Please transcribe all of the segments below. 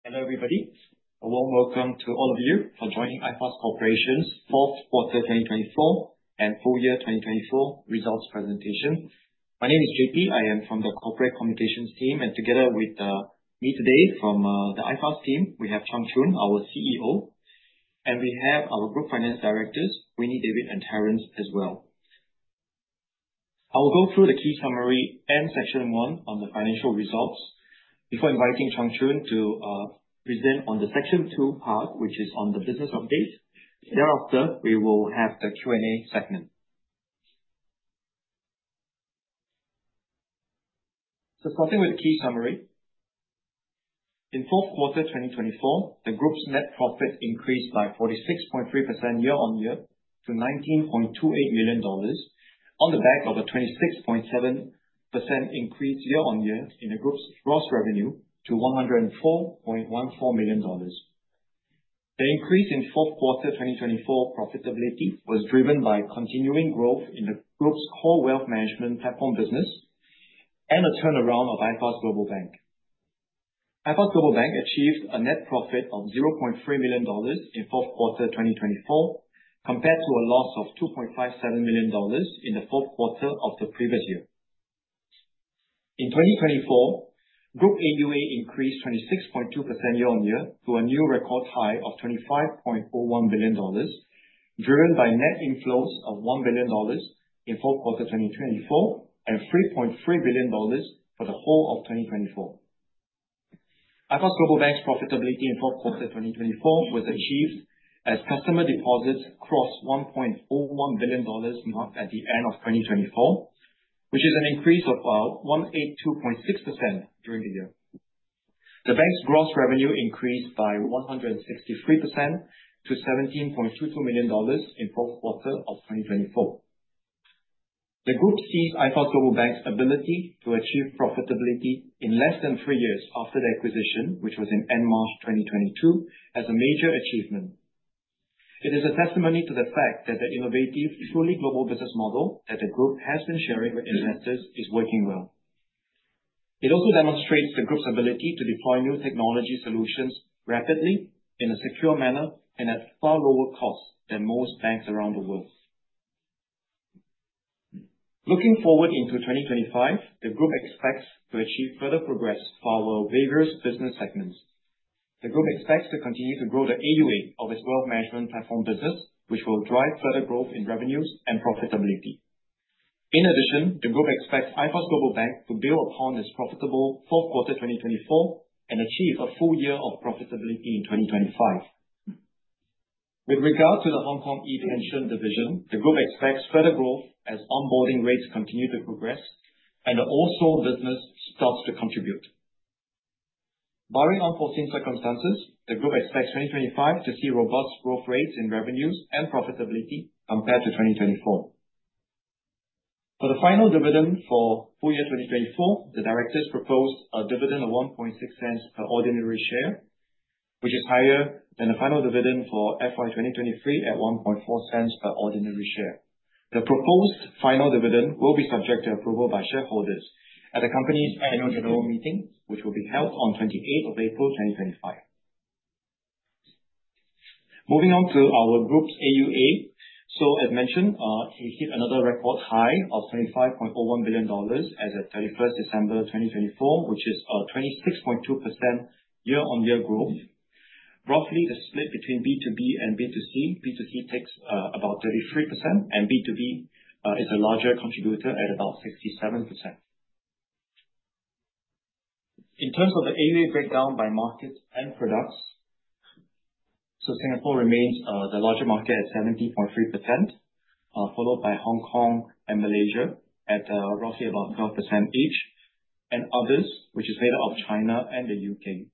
Hello, everybody, and warm welcome to all of you for joining iFAST Corporation's Fourth Quarter 2024 and Full Year 2024 Results Presentation. My name is JP. I am from the Corporate Communications team, and together with me today from the iFAST team, we have Chung Chun, our CEO, and we have our Group Finance Directors, Winnie, David, and Terence as well. I will go through the key summary and Section One on the financial results before inviting Chung Chun to present on the Section Two part, which is on the business update. Thereafter, we will have the Q&A segment. So, starting with the key summary, in fourth quarter 2024, the Group's net profit increased by 46.3% year-on-year to SGD 19.28 million on the back of a 26.7% increase year-on-year in the Group's gross revenue to SGD 104.14 million. The increase in fourth quarter 2024 profitability was driven by continuing growth in the Group's core wealth management platform business and a turnaround of iFAST Global Bank. iFAST Global Bank achieved a net profit of 0.3 million dollars in fourth quarter 2024, compared to a loss of 2.57 million dollars in the fourth quarter of the previous year. In 2024, Group AUA increased 26.2% year-on-year to a new record high of SGD 25.01 billion, driven by net inflows of SGD 1 billion in fourth quarter 2024 and SGD 3.3 billion for the whole of 2024. iFAST Global Bank's profitability in fourth quarter 2024 was achieved as customer deposits crossed 1.01 billion dollars mark at the end of 2024, which is an increase of 182.6% during the year. The Bank's gross revenue increased by 163% to 17.22 million dollars in fourth quarter of 2024. The Group sees iFAST Global Bank's ability to achieve profitability in less than 3 years after the acquisition, which was in end March 2022, as a major achievement. It is a testimony to the fact that the innovative, truly global business model that the Group has been sharing with investors is working well. It also demonstrates the Group's ability to deploy new technology solutions rapidly, in a secure manner, and at far lower cost than most banks around the world. Looking forward into 2025, the Group expects to achieve further progress for our various business segments. The Group expects to continue to grow the AUA of its wealth management platform business, which will drive further growth in revenues and profitability. In addition, the Group expects iFAST Global Bank to build upon its profitable fourth quarter 2024 and achieve a full year of profitability in 2025. With regard to the Hong Kong ePension division, the Group expects further growth as onboarding rates continue to progress and the wholesale business starts to contribute. Barring unforeseen circumstances, the Group expects 2025 to see robust growth rates in revenues and profitability compared to 2024. For the final dividend for full year 2024, the Directors proposed a dividend of 0.06 per ordinary share, which is higher than the final dividend for FY 2023 at 1.4 cents per ordinary share. The proposed final dividend will be subject to approval by shareholders at the Company's Annual General Meeting, which will be held on April 28, 2025. Moving on to our Group's AUA, so as mentioned, it hit another record high of SGD 25.01 billion as of December 31st, 2024, which is a 26.2% year-on-year growth. Roughly, the split between B2B and B2C, B2C takes about 33%, and B2B is a larger contributor at about 67%. In terms of the AUA breakdown by market and products, so Singapore remains the larger market at 70.3%, followed by Hong Kong and Malaysia at roughly about 12% each, and others, which is made up of China and the U.K.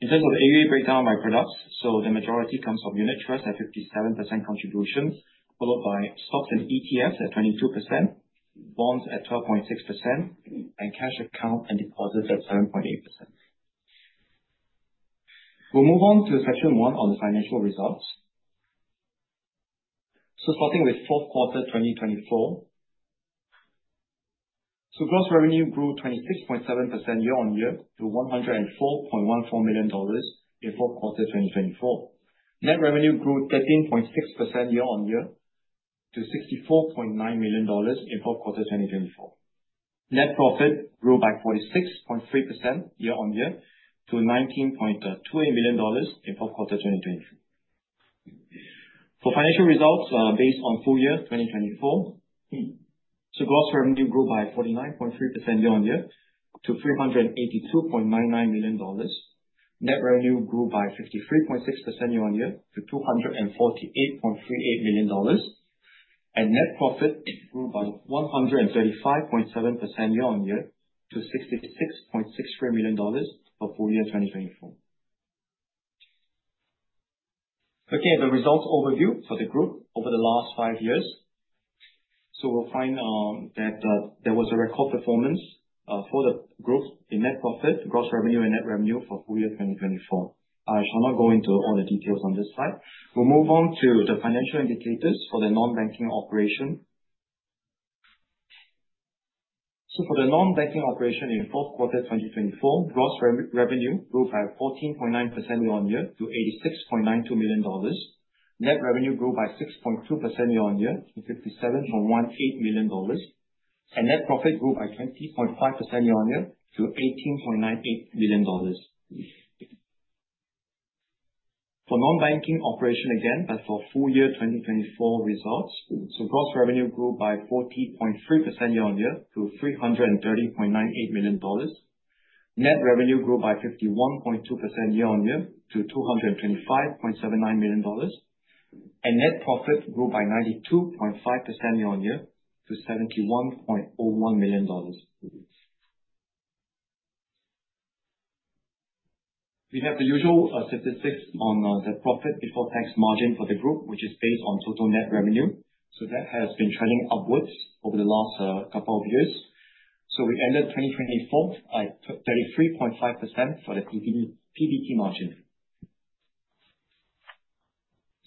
In terms of the AUA breakdown by products, so the majority comes from unit trusts at 57% contributions, followed by stocks and ETFs at 22%, bonds at 12.6%, and cash account and deposits at 7.8%. We'll move on to Section One on the financial results. So starting with fourth quarter 2024, so gross revenue grew 26.7% year-on-year to SGD 104.14 million in fourth quarter 2024. Net revenue grew 13.6% year-on-year to SGD 64.9 million in fourth quarter 2024. Net profit grew by 46.3% year-on-year to 19.28 million dollars in fourth quarter 2024. For financial results based on full year 2024, so gross revenue grew by 49.3% year-on-year to 382.99 million dollars. Net revenue grew by 53.6% year-on-year to 248.38 million dollars, and net profit grew by 135.7% year-on-year to 66.63 million dollars for full year 2024. Okay, the results overview for the Group over the last five years, so we'll find that there was a record performance for the Group in net profit, gross revenue, and net revenue for full year 2024. I shall not go into all the details on this slide. We'll move on to the financial indicators for the non-banking operation, so for the non-banking operation in fourth quarter 2024, gross revenue grew by 14.9% year-on-year to SGD 86.92 million. Net revenue grew by 6.2% year-on-year to SGD 57.18 million, and net profit grew by 20.5% year-on-year to SGD 18.98 million. For non-banking operation again, but for full year 2024 results, so gross revenue grew by 40.3% year-on-year to 330.98 million dollars. Net revenue grew by 51.2% year-on-year to 225.79 million dollars, and net profit grew by 92.5% year-on-year to SGD 71.01 million. We have the usual statistics on the profit before tax margin for the Group, which is based on total net revenue. So that has been trending upwards over the last couple of years. So we ended 2024 at 33.5% for the PBT margin.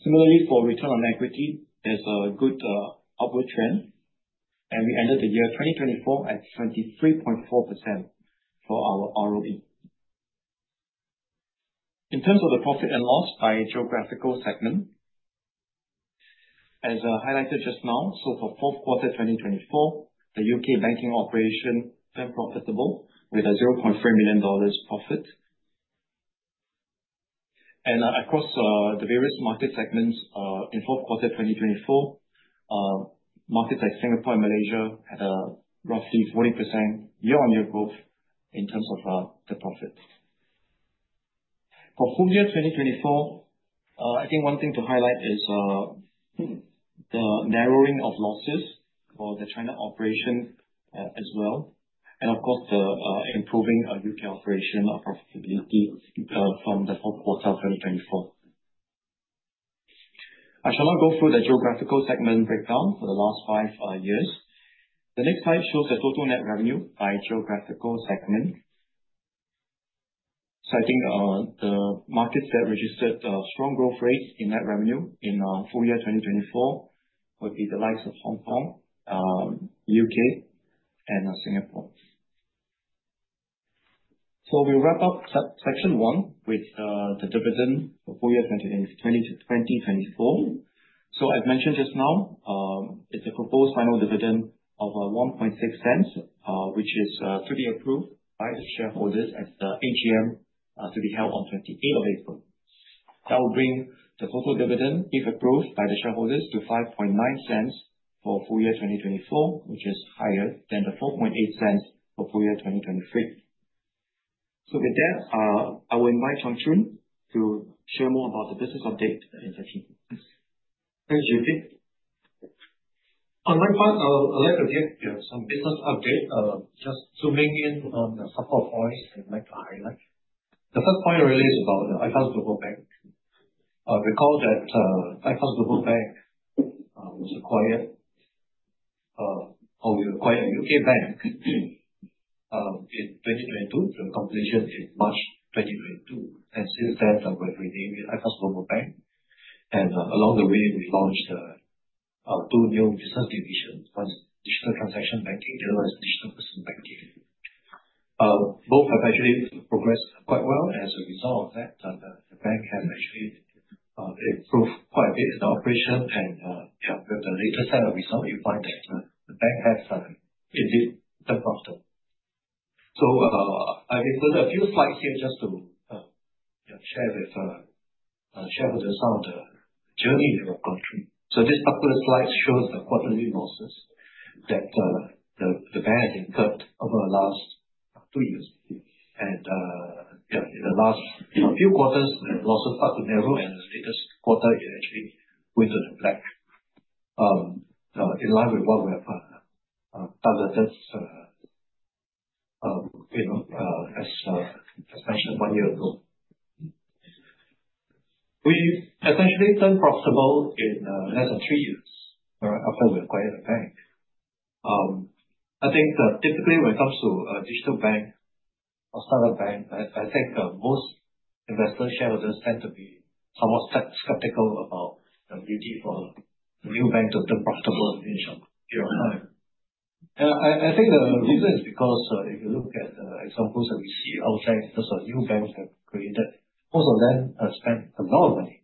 Similarly, for return on equity, there's a good upward trend, and we ended the year 2024 at 23.4% for our ROE. In terms of the profit and loss by geographical segment, as highlighted just now, so for fourth quarter 2024, the U.K. banking operation turned profitable with a 0.3 million dollars profit. Across the various market segments in fourth quarter 2024, markets like Singapore and Malaysia had a roughly 40% year-on-year growth in terms of the profit. For full year 2024, I think one thing to highlight is the narrowing of losses for the China operation as well, and of course, the improving U.K. operation profitability from the fourth quarter 2024. I shall not go through the geographical segment breakdown for the last 5 years. The next slide shows the total net revenue by geographical segment. I think the markets that registered strong growth rates in net revenue in full year 2024 would be the likes of Hong Kong, U.K., and Singapore. We'll wrap up Section One with the dividend for full year 2024. As mentioned just now, it is a proposed final dividend of 1.6 cents, which is to be approved by the shareholders at the AGM to be held on April 28. That will bring the total dividend, if approved by the shareholders, to 5.9 cents for full year 2024, which is higher than the 4.8 cents for full year 2023. With that, I will invite Chung Chun to share more about the business update in Section Two. Thank you, JP. On my part, I'll let the CFO give some business update, just zooming in on a couple of points I'd like to highlight. The first point really is about iFAST Global Bank. Recall that iFAST Global Bank was acquired, or we acquired a U.K. bank in 2022, to completion in March 2022, and since then, we've renamed it iFAST Global Bank, and along the way, we launched two new business divisions: one is Digital Transaction Banking, the other is Digital Personal Banking. Both have actually progressed quite well. As a result of that, the bank has actually improved quite a bit in the operation. And with the latest set of results, you find that the bank has indeed turned profitable, so I've included a few slides here just to share with shareholders some of the journey we've gone through. So this particular slide shows the quarterly losses that the bank has incurred over the last 2 years. And in the last few quarters, the losses start to narrow, and the latest quarter is actually went into the black, in line with what we have targeted, as mentioned 1 year ago. We essentially turned profitable in less than 3 years after we acquired the bank. I think typically, when it comes to a digital bank or startup bank, I think most investors, shareholders tend to be somewhat skeptical about the ability for a new bank to turn profitable in a short period of time. I think the reason is because if you look at the examples that we see outside in terms of new banks that have created, most of them spent a lot of money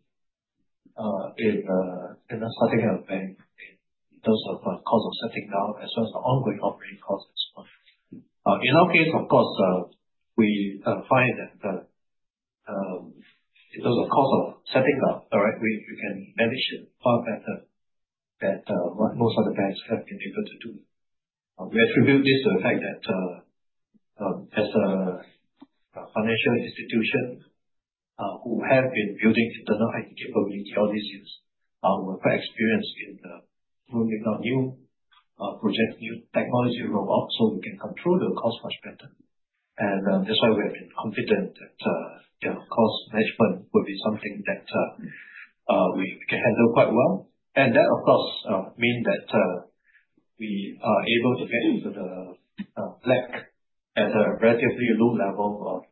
in starting a bank in terms of cost of setting up, as well as the ongoing operating cost and so on. In our case, of course, we find that in terms of cost of setting up, we can manage it far better than what most other banks have been able to do. We attribute this to the fact that as a financial institution who have been building internal IT capability all these years, we're quite experienced in building our new projects, new technology rollouts, so we can control the cost much better. And that's why we have been confident that cost management will be something that we can handle quite well. And that, of course, means that we are able to get into the black at a relatively low level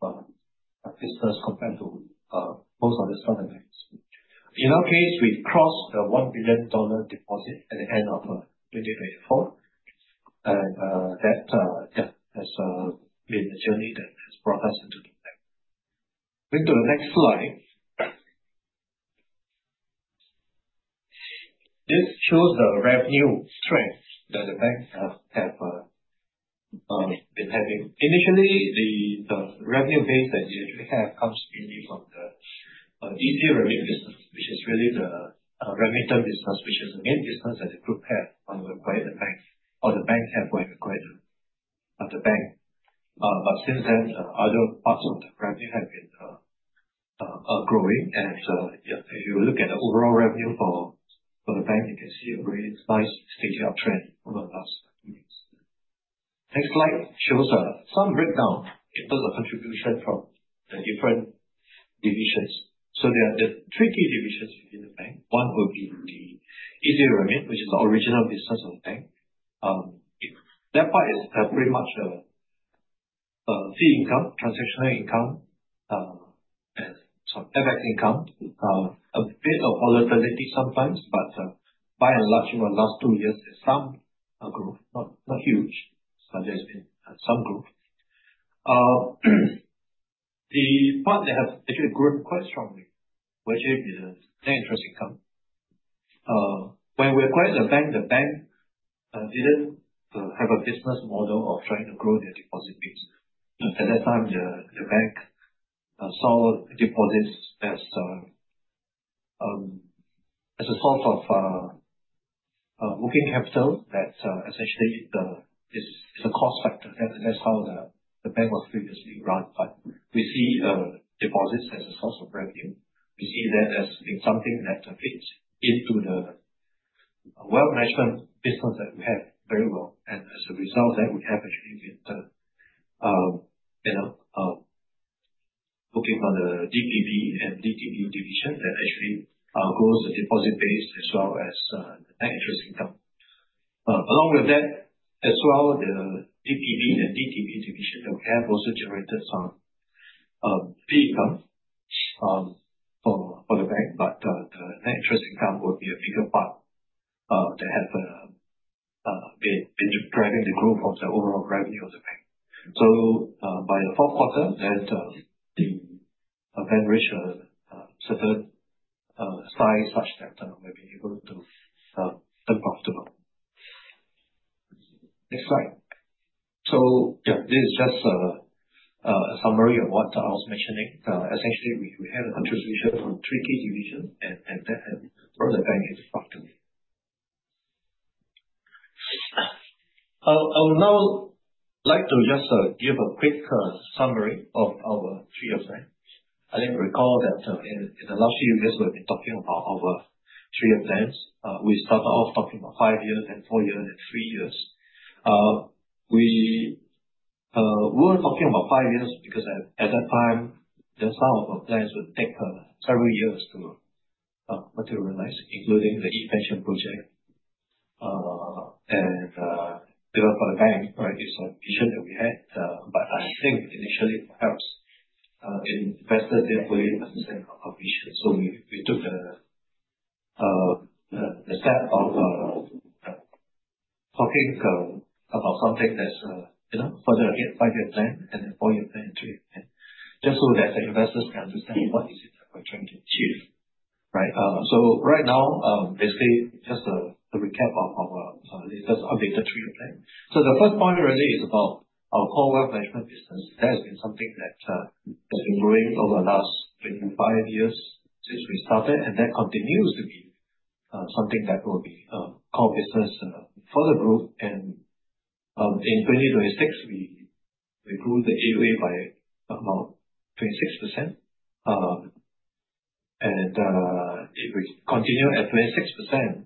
of business compared to most other startup banks. In our case, we crossed the 1 billion dollar deposit at the end of 2024. And that has been the journey that has brought us into the bank. Going to the next slide, this shows the revenue strength that the bank has been having. Initially, the revenue base that we actually have comes mainly from the EzRemit business, which is really the remittance business, which is the main business that the Group had when we acquired the bank. But since then, other parts of the revenue have been growing. And if you look at the overall revenue for the bank, you can see a very nice steady upward trend over the last few years. Next slide shows some breakdown in terms of contribution from the different divisions, so there are three key divisions within the bank. One would be the legacy revenue, which is the original business of the bank. That part is pretty much fee income, transactional income, and some FX income. A bit of volatility sometimes, but by and large, over the last 2 years, there's some growth, not huge, but there's been some growth. The part that has actually grown quite strongly, which is the net interest income. When we acquired the bank, the bank didn't have a business model of trying to grow their deposit base. At that time, the bank saw deposits as a source of working capital that essentially is a cost factor. That's how the bank was previously run, but we see deposits as a source of revenue. We see that as being something that fits into the wealth management business that we have very well. And as a result of that, we have actually been looking for the DPB and DTB division that actually grows the deposit base as well as the net interest income. Along with that as well, the DPB and DTB division that we have also generated some fee income for the bank, but the net interest income would be a bigger part that has been driving the growth of the overall revenue of the bank. So by the fourth quarter, that the bank reached a certain size such that we've been able to turn profitable. Next slide, so this is just a summary of what I was mentioning. Essentially, we had a contribution from three key divisions. I would now like to just give a quick summary of our three-year plan. I think you'll recall that in the last few years, we've been talking about our three-year plans. We started off talking about 5 years, and 4 years, and 3 years. We were talking about 5 years because at that time, some of our plans would take several years to materialize, including the ePension project and development for the bank. It's a vision that we had, but I think initially perhaps investors didn't fully understand our vision. We took the step of talking about something that's further ahead, five-year plan and then four-year plan and three-year plan, just so that investors can understand achieve. Right now, basically, just a recap of our latest updated three-year plan. The first point really is about our core wealth management business. That has been something that has been growing over the last 25 years since we started, and that continues to be something that will be a core business for the Group. And in 2026, we grew the AUA by about 26%. And if we continue at 26%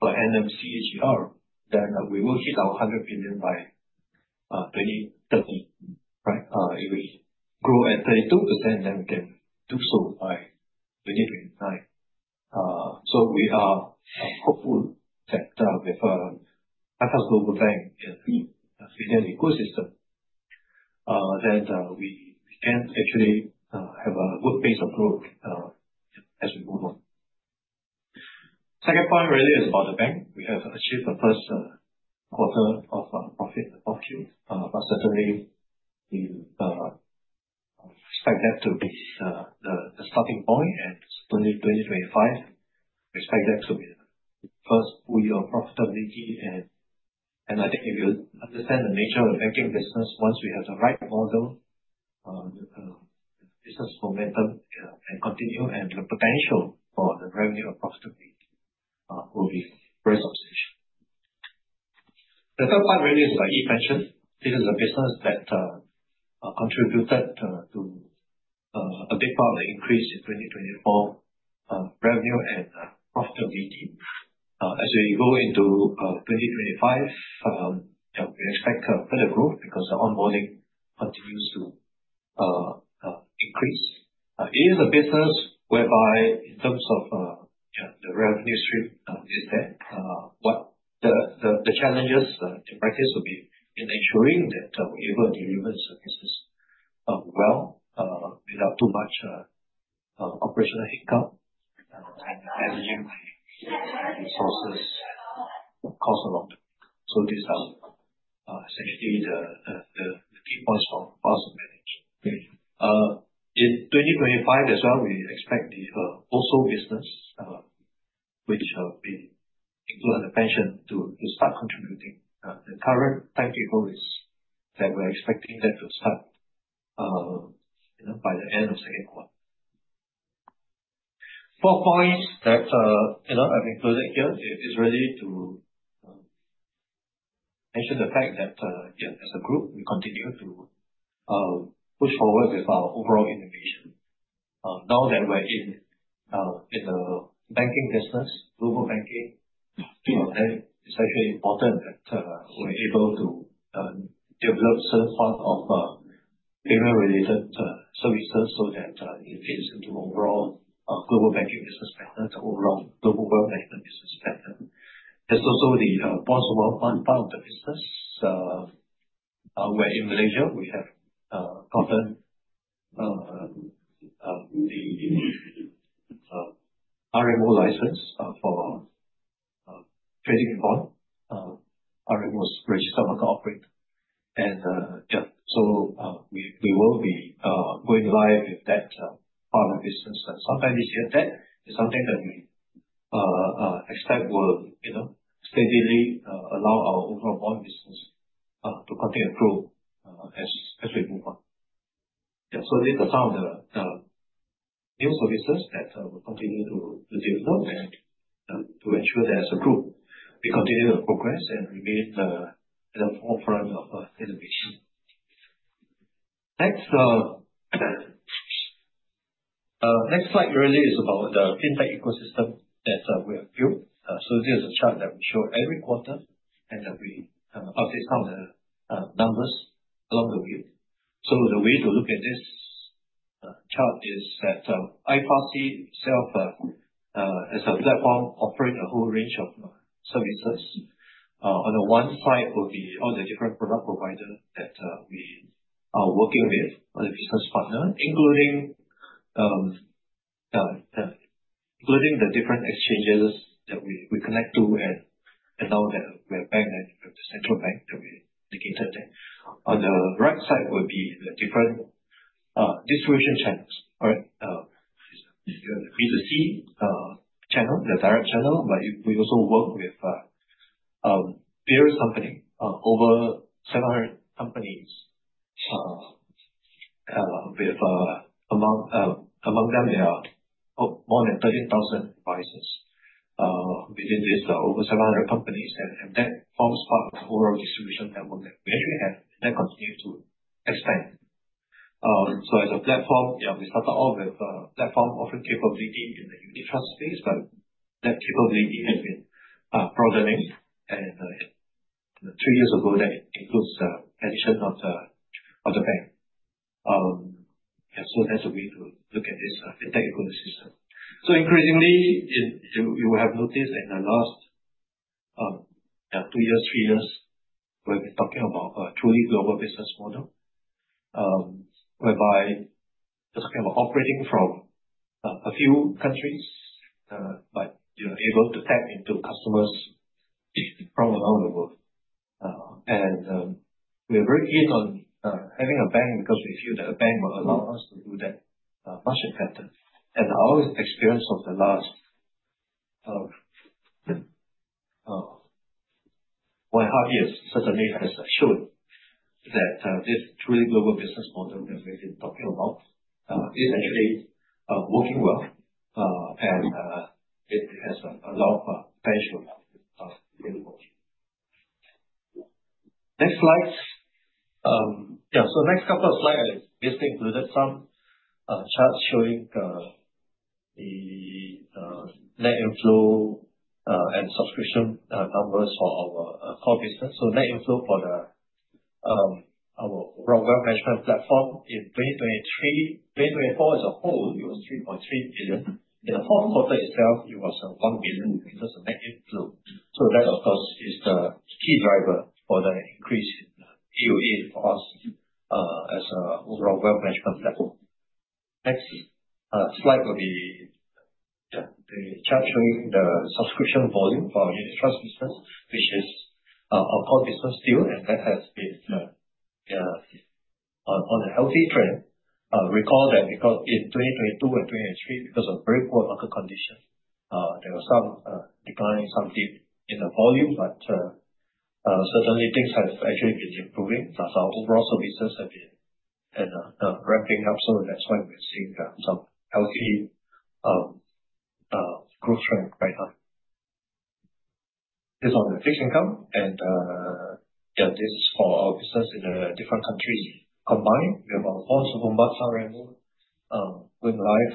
for annual CAGR, then we will hit our 100 billion by 2030. If we grow at 32%, then we can do so by 2029. So we are hopeful that with iFAST Global Bank in the ecosystem, then we can actually have a good pace of growth as we move on. Second point really is about the bank. We have achieved the first quarter of profit and profitability, but certainly, we expect that to be the starting point. And so 2025, we expect that to be the first full year of profitability. I think if you understand the nature of the banking business, once we have the right model, the business momentum can continue, and the potential for the revenue of profitability will be very substantial. The third part really is about ePension. This is a business that contributed to a big part of the increase in 2024 revenue and profitability. As we go into 2025, we expect further growth because the onboarding continues to increase. It is a business whereby, in terms of the revenue stream, it is there. The challenges in practice would be in ensuring that we're able to deliver services well without too much operational income. In 2025 as well, we expect the wholesale business, which includes the pension, to start contributing. The current timetable is that we're expecting that to start by the end of the second quarter. Four points that I've included here is really to mention the fact that, as a Group, we continue to push forward with our overall innovation. Now that we're in the banking business, global banking, it's actually important that we're able to develop certain parts of payment-related services so that it fits into the overall global banking business pattern, the overall global wealth management business pattern. There's also the bonds of wealth fund part of the business, where in Malaysia, we have gotten the RMO license for trading in bond. RMO is Registered Market Operator, and so we will be going live with that part of the business. And sometimes you see that is something that we expect will steadily allow our overall bond business to continue to grow as we move on. So these are some of the new services that we continue to develop and to ensure that, as a Group, we continue to progress and remain at the forefront of innovation. Next slide really is about the fintech ecosystem that we have built. So this is a chart that we show every quarter, and we outline some of the numbers along the way. So the way to look at this chart is that iFAST itself, as a platform, offers a whole range of services. On the one side would be all the different product providers that we are working with, all the business partners, including the different exchanges that we connect to, and now that we're a bank, the central bank that we're located at. On the right side would be the different distribution channels. B2C channel, the direct channel, but we also work with various companies, over 700 companies, with among them, there are more than 13,000 devices. Within this, there are over 700 companies, and that forms part of the overall distribution network that we actually have, and that continues to expand. So as a platform, we started off with platform offering capability in the unit trust space, but that capability has been broadening. And 3 years ago, that includes the addition of the bank. So that's the way to look at this fintech ecosystem. So increasingly, you will have noticed in the last 2 years, 3 years, we've been talking about a truly global business model, whereby we're talking about operating from a few countries, but you're able to tap into customers from around the world. We're very keen on having a bank because we feel that a bank will allow us to do that much better. Our experience of the last one and a half years certainly has shown that this truly global business model that we've been talking about is actually working well, and it has a lot of potential. Next slide, next couple of slides, I basically included some charts showing the net inflow and subscription numbers for our core business. Net inflow for our wealth management platform in 2023-2024 as a whole was 3.3 billion. In the fourth quarter itself, it was 1 billion in terms of net inflow. That, of course, is the key driver for the increase in AUA for us as an overall wealth management platform. Next slide would be the chart showing the subscription volume for our unit trust business, which is our core business still, and that has been on a healthy trend. Recall that in 2022 and 2023, because of very poor market conditions, there was some decline in the volume, but certainly, things have actually been improving. Our overall services have been ramping up, so that's why we're seeing some healthy growth trend right now. This is on the fixed income, and this is for our business in different countries combined. We have our bonds ETF, sovereign, going live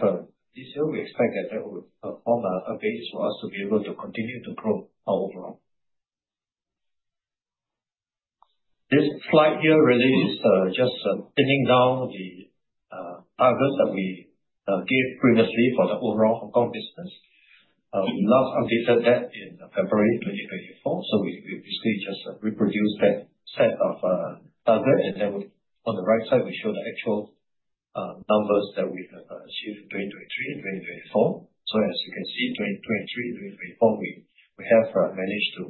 this year. We expect that that will form a base for us to be able to continue to grow overall. This slide here really is just pinning down the targets that we gave previously for the overall Hong Kong business. We last updated that in February 2024, so we basically just reproduced that set of targets. And then on the right side, we show the actual numbers that we have achieved in 2023 and 2024. So as you can see, 2023 and 2024, we have managed to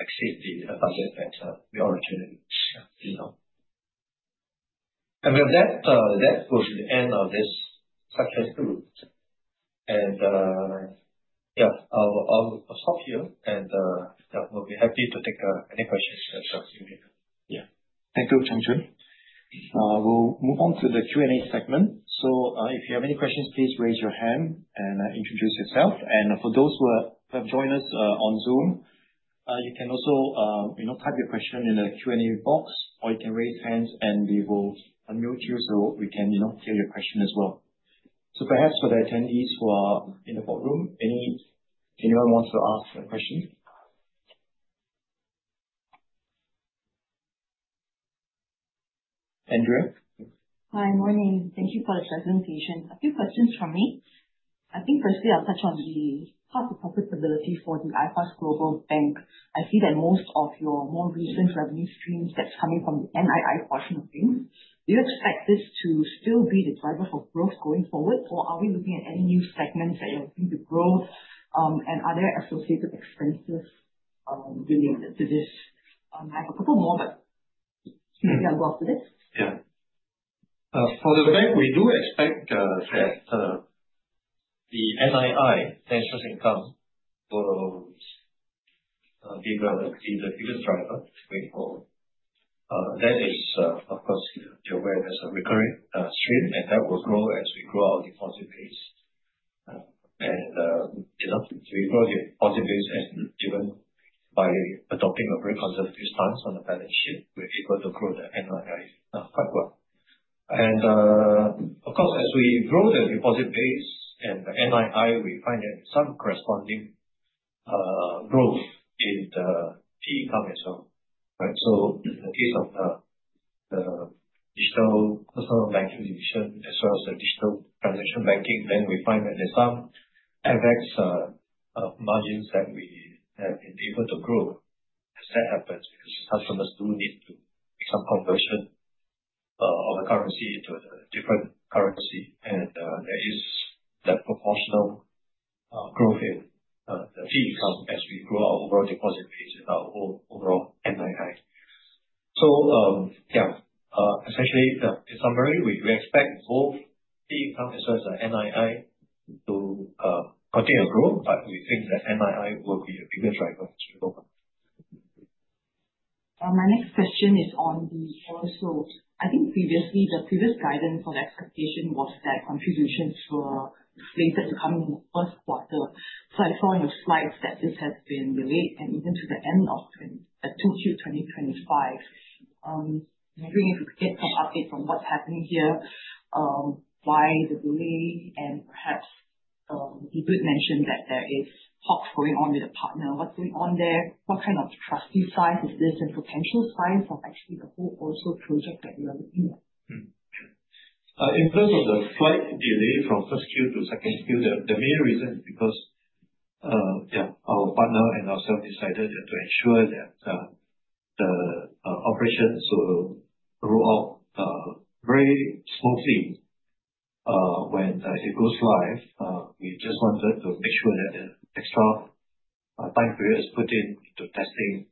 exceed the target that we originally did. And with that, that goes to the end of this successful. And I'll stop here, and we'll be happy to take any questions that you may have. Yeah. Thank you, Chung Chun. We'll move on to the Q&A segment. So if you have any questions, please raise your hand and introduce yourself. And for those who have joined us on Zoom, you can also type your question in the Q&A box, or you can raise hands, and we will unmute you so we can hear your question as well. So perhaps for the attendees who are in the boardroom, anyone wants to ask a question? Andrea? Hi, morning. Thank you for the presentation, a few questions from me. I think firstly, I'll touch on the cost of profitability for the iFAST Global Bank. I see that most of your more recent revenue streams, that's coming from the NII portion of things. Do you expect this to still be the driver for growth going forward, or are we looking at any new segments that you're looking to grow, and are there associated expenses related to this? I have a couple more, but maybe I'll go after this. Yeah. For the bank, we do expect that the NII, financial income, will be the biggest driver going forward. That is, of course, you're aware there's a recurring stream, and that will grow as we grow our deposit base. And we grow the deposit base as given by adopting a very conservative stance on the balance sheet. We're able to grow the NII quite well. And of course, as we grow the deposit base and the NII, we find there is some corresponding growth in the fee income as well. So in the case of the Digital Personal Banking division, as well as the Digital Transaction Banking, then we find that there's some FX margins that we have been able to grow. And that happens because customers do need to make some conversion of a currency into a different currency, and there is that proportional growth in the fee income as we grow our overall deposit base and our overall NII. So yeah, essentially, in summary, we expect both fee income as well as the NII to continue to grow, but we think that NII will be a bigger driver as well. My next question is on the wholesale. I think previously, the previous guidance or the expectation was that contributions were slated to come in the first quarter, so I saw in your slides that this has been delayed and even to the end of Q2 2025. I'm wondering if you could get some updates on what's happening here, why the delay, and perhaps you did mention that there is talks going on with a partner. What's going on there? What kind of trustee size is this and potential size of actually the whole wholesale project that we are looking at? In terms of the slight delay from first Q to second Q, the main reason is because our partner and ourselves decided to ensure that the operations will roll out very smoothly when it goes live. We just wanted to make sure that an extra time period is put into testing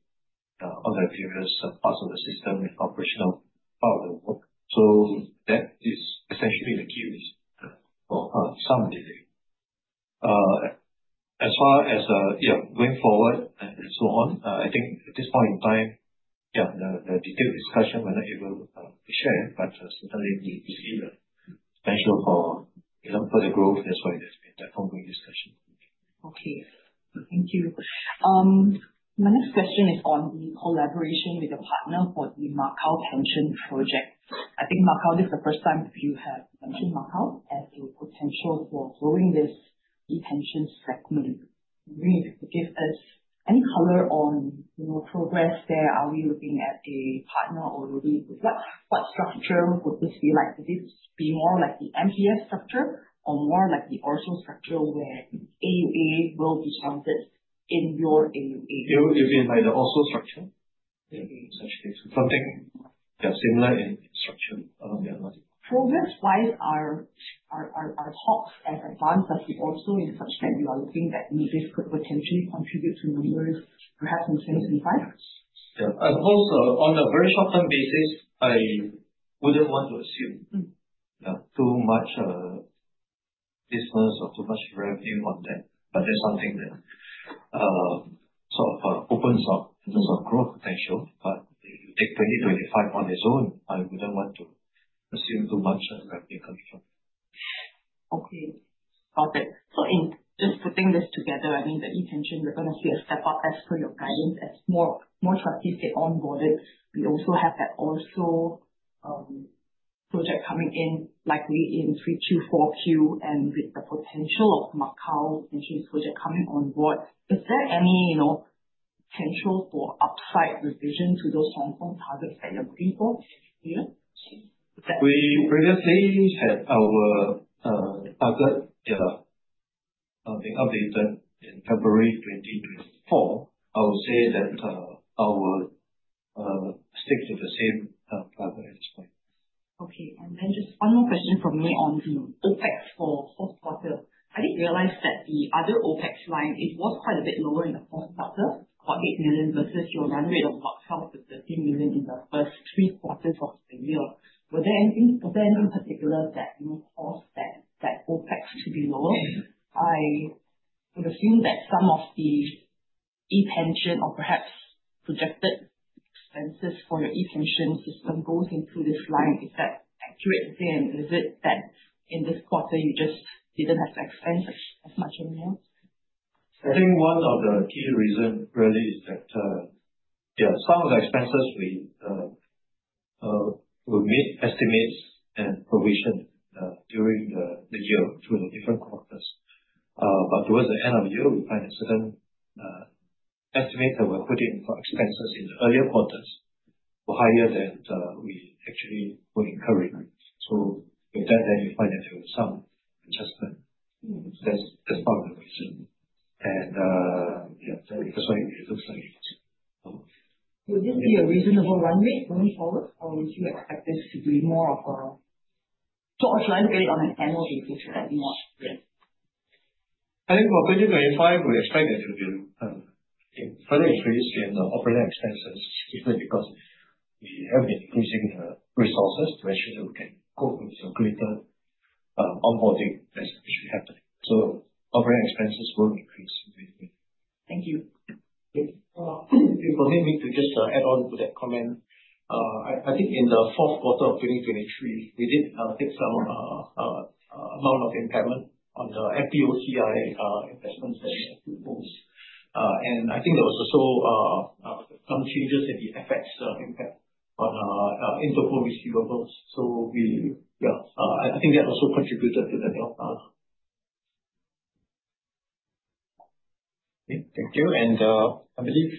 on the various parts of the system and operational part of the work. So that is essentially the key reason for some delay. As far as going forward and so on, I think at this point in time, the detailed discussion we're not able to share, but certainly, we see the potential for the growth. That's why there's been that ongoing discussion. Okay. Thank you. My next question is on the collaboration with a partner for the Macau Pension Project. I think, Macau, this is the first time you have mentioned Macau as a potential for growing this ePension segment. If you could give us any color on progress there, are we looking at a partner or what structure would this be like? Would this be more like the MPF structure or more like the ORSO structure where AUA will be started in your AUA? What do you mean by the ORSO structure? Yeah, essentially. Something similar in structure along those lines. Progress-wise, are our talks as advanced as the ORSO in such that you are looking that this could potentially contribute to revenue perhaps in 2025? Yeah. Of course, on a very short-term basis, I wouldn't want to assume too much business or too much revenue on that. But there's something that sort of opens up in terms of growth potential. But you take 2025 on its own, I wouldn't want to assume too much revenue coming from it. Okay. Got it. So in just putting this together, I mean, the ePension, we're going to see a step-up as per your guidance, as more trustees get onboarded. We also have that ORSO project coming in likely in 3Q, 4Q, and with the potential of Macau Pension Project coming on board. Is there any potential for upside revision to those Hong Kong targets that you're looking for here? We previously had our target being updated in February 2024. I would say that we stick to the same target at this point. Okay. And then just one more question from me on OpEx for fourth quarter. I didn't realize that the other OpEx line, it was quite a bit lower in the fourth quarter, about 8 million versus your run rate of about 12 million-13 million in the first three quarters of the year. Was there anything particular that caused that OpEx to be lower? I would assume that some of the ePension or perhaps projected expenses for your ePension system goes into this line. Is that accurate? And is it that in this quarter, you just didn't have to expend as much as anyone else? I think one of the key reasons really is that some of the expenses we would meet estimates and provision during the year through the different quarters. But towards the end of the year, we find a certain estimate that we're putting for expenses in the earlier quarters were higher than we actually were incurring. With that, then you find that there was some adjustment. That's part of the reason, that's why it looks like it was. Would this be a reasonable run rate going forward, or would you expect this to be more of a too offline, look at it on an annual basis a bit more? I think for 2025, we expect that it will be further increased in the operating expenses simply because we have been increasing the resources to ensure that we can go through some greater onboarding as it should happen. Operating expenses will increase. Thank you. For me, just to add on to that comment, I think in the fourth quarter of 2023, we did take some amount of impairment on the FVOCI investments and the FVTPLs. And I think there were also some changes in the FX impact on intercompany receivables. I think that also contributed to the downfall. Thank you. I believe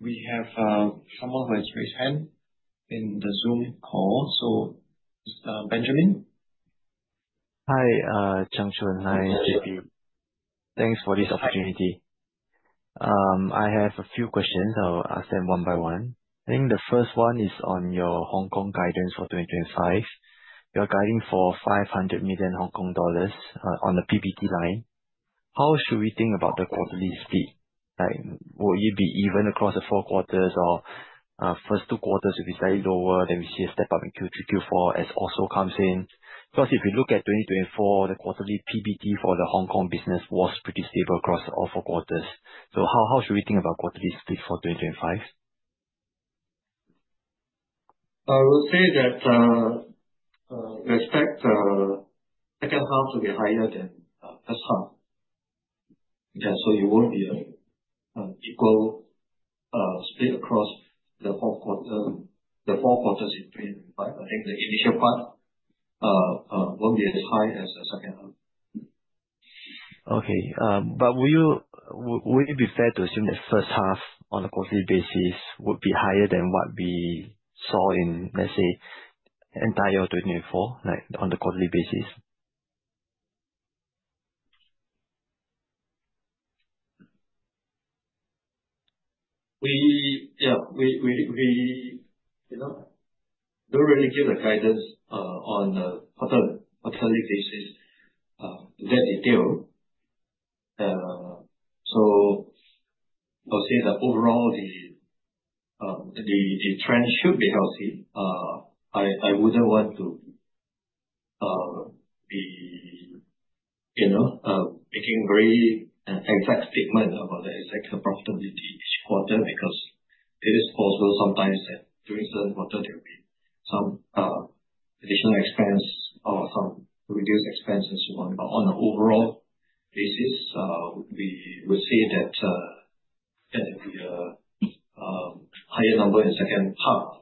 we have someone who has raised hand in the Zoom call. Benjamin? Hi, Chung Chun. Hi, JP. Thanks for this opportunity. I have a few questions. I'll ask them one by one. I think the first one is on your Hong Kong guidance for 2025. You're guiding for 500 million Hong Kong dollars on the PBT line. How should we think about the quarterly split? Will it be even across the four quarters, or first two quarters will be slightly lower, then we see a step-up in Q2, Q4 as also comes in? Because if you look at 2024, the quarterly PBT for the Hong Kong business was pretty stable across all four quarters. How should we think about quarterly split for 2025? I would say that we expect the second half to be higher than the first half. So you won't be an equal split across the four quarters in 2025. I think the initial part won't be as high as the second half. Okay. But would it be fair to assume the first half on a quarterly basis would be higher than what we saw in, let's say, entire 2024 on the quarterly basis? Yeah. We don't really give the guidance on a quarterly basis to that detail. So I would say that overall, the trend should be healthy. I wouldn't want to be making a very exact statement about the exact profitability each quarter because it is possible sometimes that during certain quarters, there will be some additional expense or some reduced expense and so on. But on an overall basis, we would say that there will be a higher number in the second half.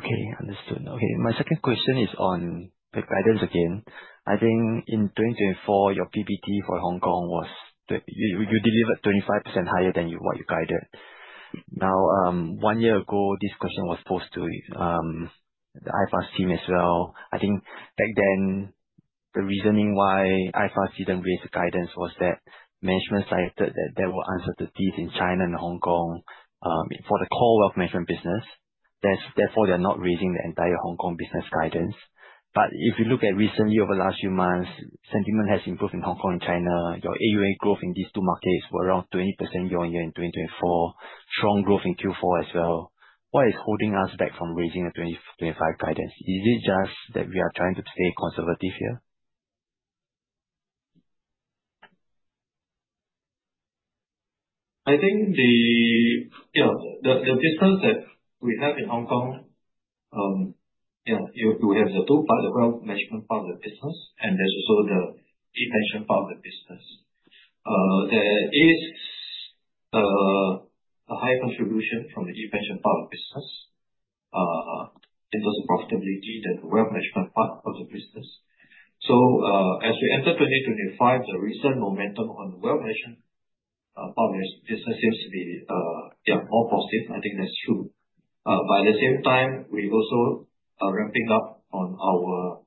Okay. Understood. Okay. My second question is on the guidance again. I think in 2024, your PBT for Hong Kong was you delivered 25% higher than what you guided. Now, 1 year ago, this question was posed to the iFAST team as well. I think back then, the reasoning why iFAST didn't raise the guidance was that management cited that there were uncertainties in China and Hong Kong for the core wealth management business. Therefore, they're not raising the entire Hong Kong business guidance. But if you look at recently, over the last few months, sentiment has improved in Hong Kong and China. Your AUA growth in these two markets was around 20% year-on-year in 2024, strong growth in Q4 as well. What is holding us back from raising the 2025 guidance? Is it just that we are trying to stay conservative here? I think the business that we have in Hong Kong, we have the two parts, the wealth management part of the business, and there's also the ePension part of the business. There is a high contribution from the ePension part of the business in terms of profitability than the wealth management part of the business. So as we enter 2025, the recent momentum on the wealth management part of the business seems to be more positive. I think that's true. But at the same time, we're also ramping up on our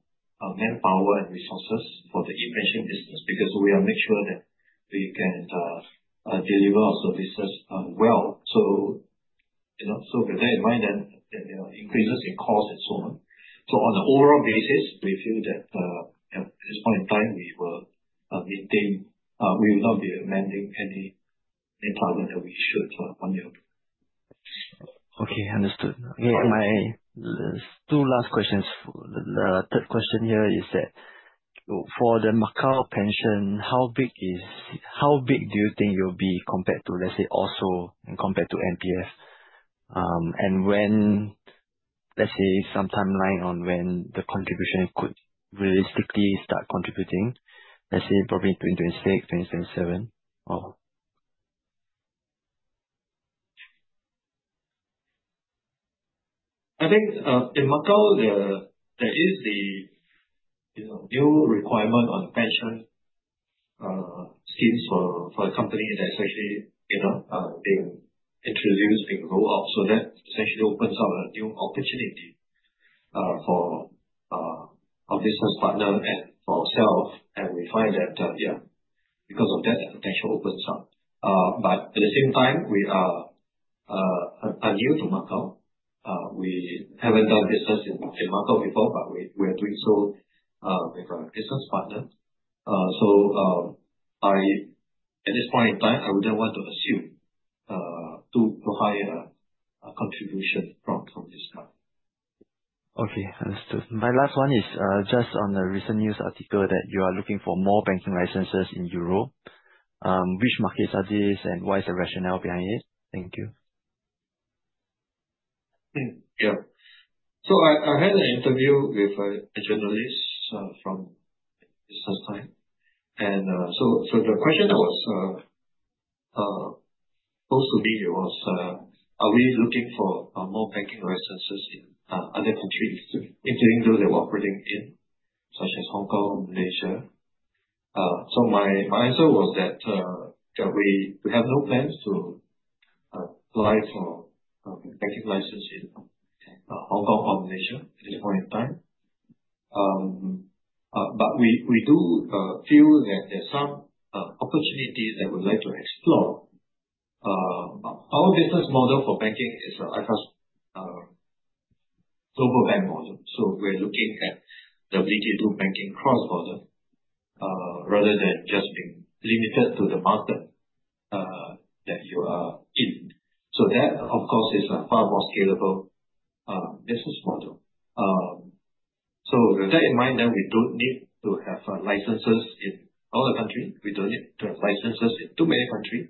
manpower and resources for the ePension business because we want to make sure that we can deliver our services well. So with that in mind, then there are increases in costs and so on. So on an overall basis, we feel that at this point in time, we will maintain we will not be amending any. Okay, understood. My two last questions, the third question here is that for the Macau pension, how big do you think you'll be compared to, let's say, ORSO and compared to MPF? And when, let's say, some timeline on when the contribution could realistically start contributing, let's say, probably in 2026, 2027? I think in Macau, there is the new requirement on the pension schemes for the company that's actually being introduced, being rolled out. So that essentially opens up a new opportunity for our business partner and for ourselves. And we find that, yeah, because of that, the potential opens up. But at the same time, we are new to Macau. We haven't done business in Macau before, but we are doing so with our business partner, so at this point in time, I wouldn't want to assume too high a contribution. Okay, understood. My last one is just on the recent news article that you are looking for more banking licenses in Europe. Which markets are these, and what is the rationale behind it? Thank you. Yeah, so I had an interview with a journalist from Business Times. And so the question that was posed to me was, are we looking for more banking licenses in other countries, including those that we're operating in, such as Hong Kong, Malaysia, so my answer was that we have no plans to apply for a banking license in Hong Kong or Malaysia at this point in time. But we do feel that there are some opportunities that we'd like to explore. Our business model for banking is iFAST Global Bank model. So we're looking at the ability to do banking cross-border rather than just being limited to the market that you are in. So that, of course, is a far more scalable business model. So with that in mind, then we don't need to have licenses in all the countries. We don't need to have licenses in too many countries.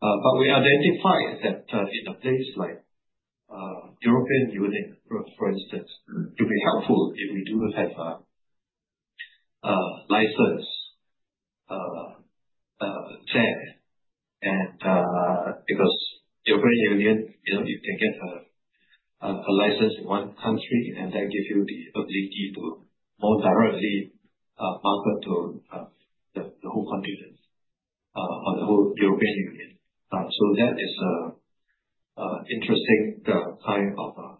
But we identify that in a place like European Union, for instance, it would be helpful if we do have a license there. And because European Union, you can get a license in one country, and that gives you the ability to more directly market to the whole continent or the whole European Union. So that is an interesting kind of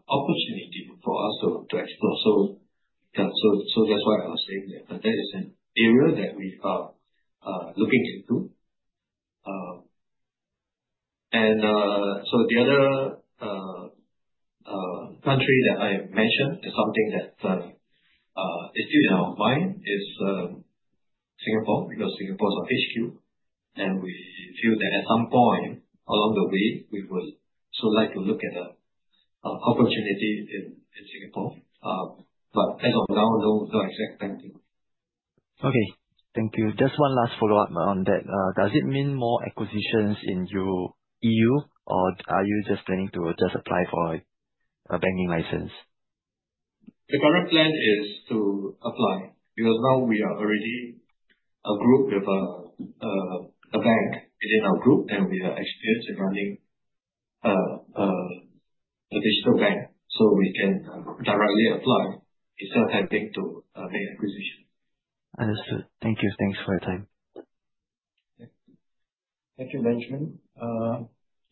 opportunity for us to explore. So that's why I was saying that that is an area that we are looking into. And so the other country that I mentioned is something that is still in our mind is Singapore because Singapore is our HQ. And we feel that at some point along the way, we would so like to look at an opportunity in Singapore. But as of now, no exact banking. Okay, thank you. Just one last follow-up on that. Does it mean more acquisitions in Europe, EU, or are you just planning to just apply for a banking license? The current plan is to apply because now we are already a group with a bank within our group, and we are experienced in running a digital bank. So we can directly apply instead of having to make acquisitions. Understood, thank you, thanks for your time. Thank you, Benjamin.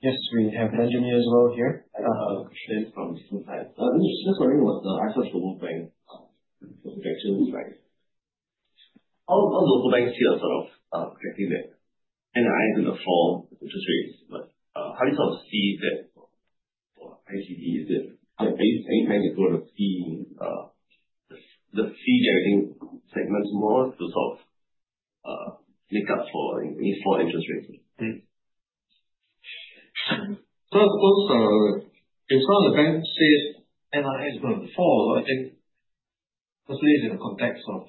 Yes, we have Benjamin as well here. I have a question from the same time. This question was iFAST Global Bank for the ventures, right? All local banks here are sort of collecting their NII to the fall interest rates. But how do you sort of see that for iGB? Is it any bank that's going to see the fee-bearing segments more to sort of make up for any fall interest rates? So I suppose if some of the banks say NII is going to fall, I think especially in the context of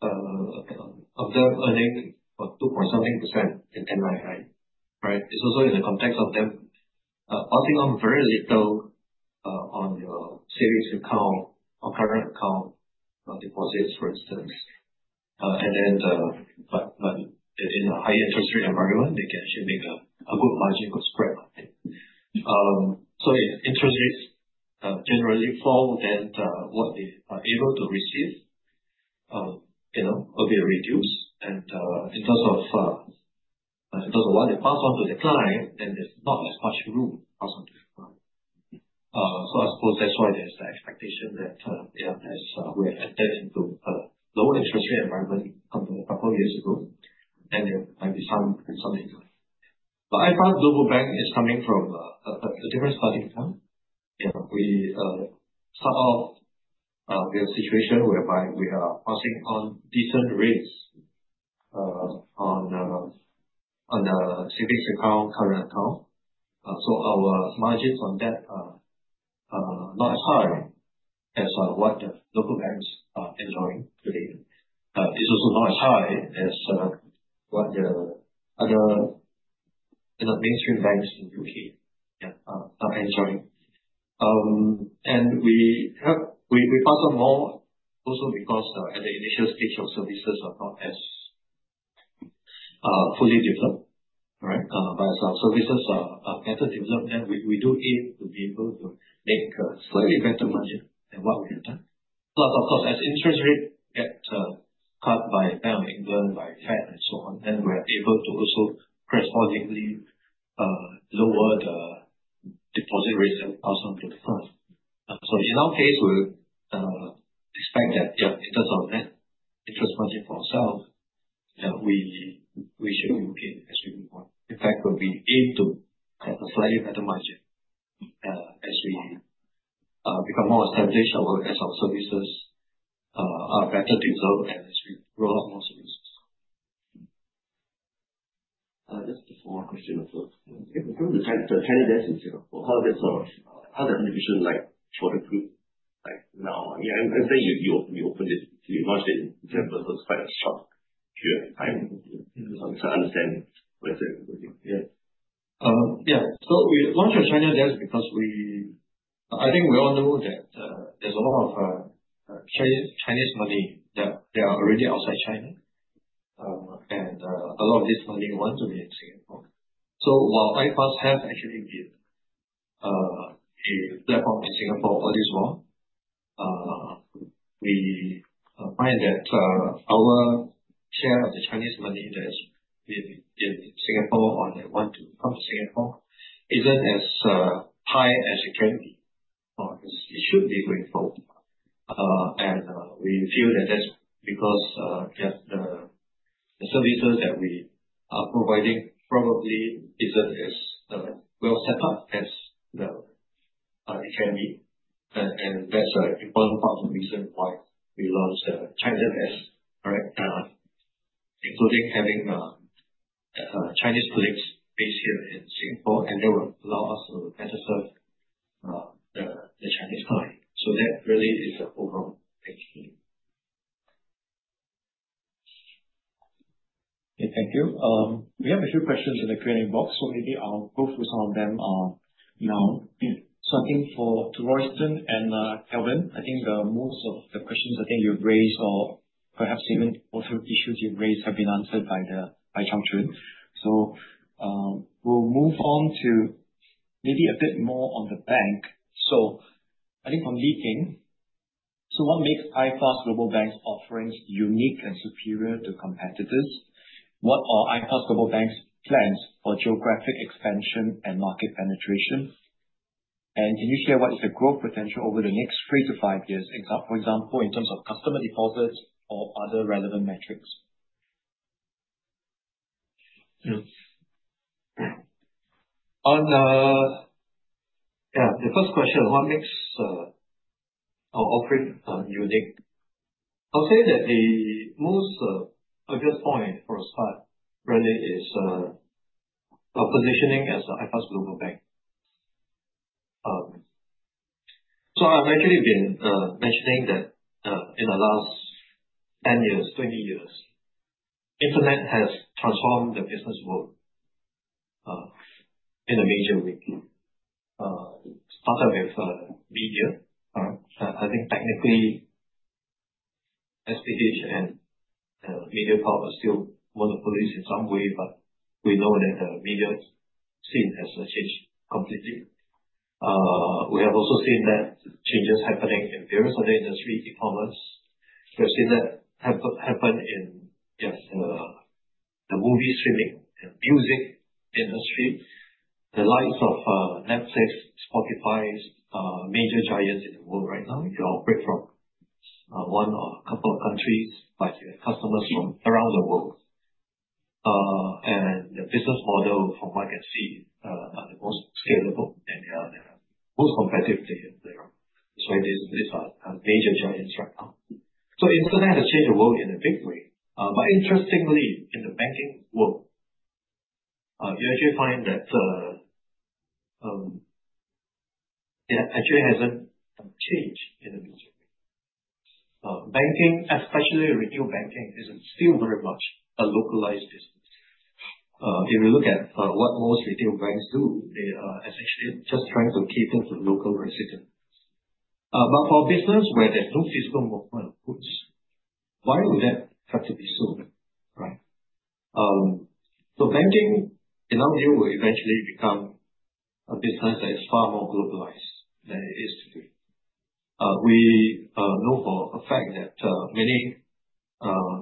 them earning two point something percent in NII, right? It's also in the context of them passing on very little on your savings account or current account deposits, for instance. And then in a high-interest rate environment, they can actually make a good margin for spread. So if interest rates generally fall, then what they are able to receive will be reduced. And in terms of what they pass on to the client, then there's not as much room to pass on to the client. So I suppose that's why there's the expectation that we have entered into a lower interest rate environment a couple of years ago, and there might be some income. But iFAST Global Bank is coming from a different starting point. We start off with a situation whereby we are passing on decent rates on the savings account, current account. So our margins on that are not as high as what the local banks are enjoying today. It's also not as high as what the other mainstream banks in the U.K. are enjoying. And we pass on more also because at the initial stage, our services are not as fully developed. By ourselves, services are better developed, then we do aim to be able to make slightly better money than what we have done. Plus, of course, as interest rates get cut by Bank of England, by Fed, and so on, then we are able to also correspondingly lower the deposit rates that we pass on to the client. So in our case, we expect that in terms of net interest margin for ourselves, we should be okay as we move on. In fact, we aim to have a slightly better margin as we become more established, as our services are better developed, and as we roll out more services. Just a small question also. The China Desk in Singapore, how is it sort of the contribution for the group now? I'm saying you opened it, you launched it in December, so it's quite a short period of time. So I understand what you're saying. Yeah. Yeah. So we launched the China Desk because I think we all know that there's a lot of Chinese money that they are already outside China, and a lot of this money wants to be in Singapore. So while iFAST has actually been a platform in Singapore all this long, we find that our share of the Chinese money that's in Singapore or that want to come to Singapore isn't as high as it can be, or it should be going forward. And we feel that that's because the services that we are providing probably isn't as well set up as it can be. And that's an important part of the reason why we launched the China Desk, including having Chinese colleagues based here in Singapore, and they will allow us to better serve the Chinese client. So that really is an overall thank you. Okay. Thank you. We have a few questions in the Q&A box, so maybe I'll go through some of them now. I think for Royston and Kelvin, most of the questions you've raised, or perhaps even also issues you've raised, have been answered by Chung Chun. We'll move on to maybe a bit more on the bank. I think from Lee King, "what makes iFAST Global Bank's offerings unique and superior to competitors? What are iFAST Global Bank's plans for geographic expansion and market penetration? And can you share what is the growth potential over the next 3-5 years, for example, in terms of customer deposits or other relevant metrics?" Yeah. The first question, what makes our offering unique? I'll say that the most obvious point for a start really is our positioning as the iFAST Global Bank. I've actually been mentioning that in the last 10 years, 20 years, internet has transformed the business world in a major way. Started with media. I think technically, SPH and MediaCorp are still one of the pillars in some way, but we know that the media scene has changed completely. We have also seen that changes happening in various other industry e-commerce. We have seen that happen in the movie streaming and music industry, the likes of Netflix, Spotify, major giants in the world right now. You operate from one or a couple of countries, but you have customers from around the world. And the business model from what I can see are the most scalable, and they are the most competitive players. That's why these are major giants right now. Internet has changed the world in a big way. But interestingly, in the banking world, you actually find that it actually hasn't changed in a major way. Banking, especially retail banking, is still very much a localized business. If you look at what most retail banks do, they are essentially just trying to cater to local residents. But for a business where there's no physical movement of goods, why would that have to be so? Right? So banking in our view will eventually become a business that is far more globalized than it is today. We know for a fact that many